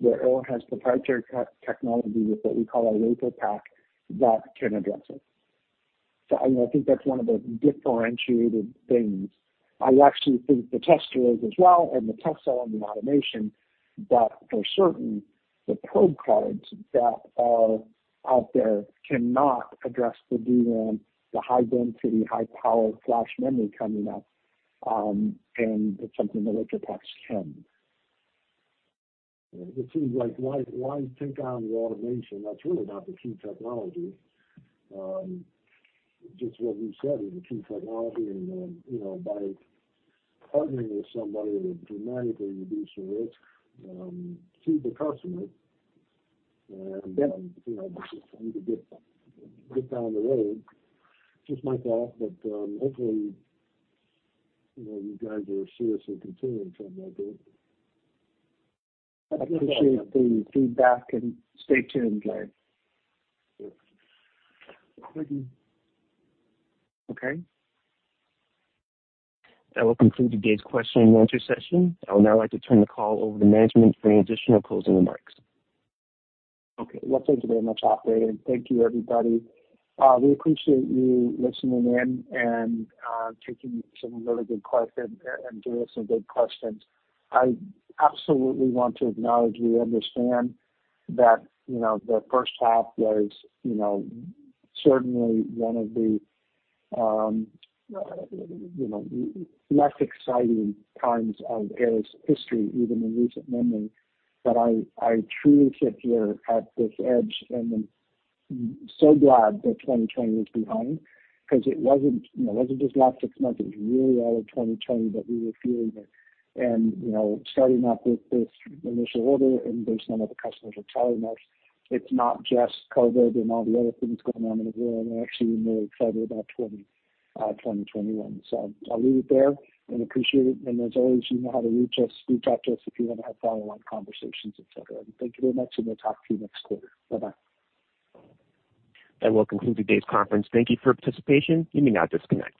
where Aehr has proprietary technology with what we call our WaferPak that can address it. I think that's one of the differentiated things. I actually think the tester is as well, and the test cell and the automation. For certain, the probe cards that are out there cannot address the DRAM, the high density, high power flash memory coming up, and it's something the WaferPaks can. It seems like why take on the automation? That's really not the key technology. Just what we said is the key technology, and by partnering with somebody, it would dramatically reduce the risk to the customer, and this is something to get down the road. Just my thought, but hopefully, you guys are seriously continuing something like that. I appreciate the feedback, and stay tuned, Larry. Sure. Okay. That will conclude today's question and answer session. I would now like to turn the call over to management for any additional closing remarks. Well, thank you very much, Operator. Thank you, everybody. We appreciate you listening in and taking some really good questions and giving some good questions. I absolutely want to acknowledge we understand that the first half was certainly one of the less exciting times of Aehr's history, even in recent memory. I truly sit here at this edge and am so glad that 2020 is behind, because it wasn't just last six months, it was really all of 2020 that we were feeling it. Starting out with this initial order and based on what the customers are telling us, it's not just COVID and all the other things going on in the world. We're actually really excited about 2021. I'll leave it there and appreciate it. As always, you know how to reach us. Reach out to us if you want to have follow-on conversations, et cetera. Thank you very much, and we'll talk to you next quarter. Bye-bye. That will conclude today's conference. Thank you for your participation. You may now disconnect.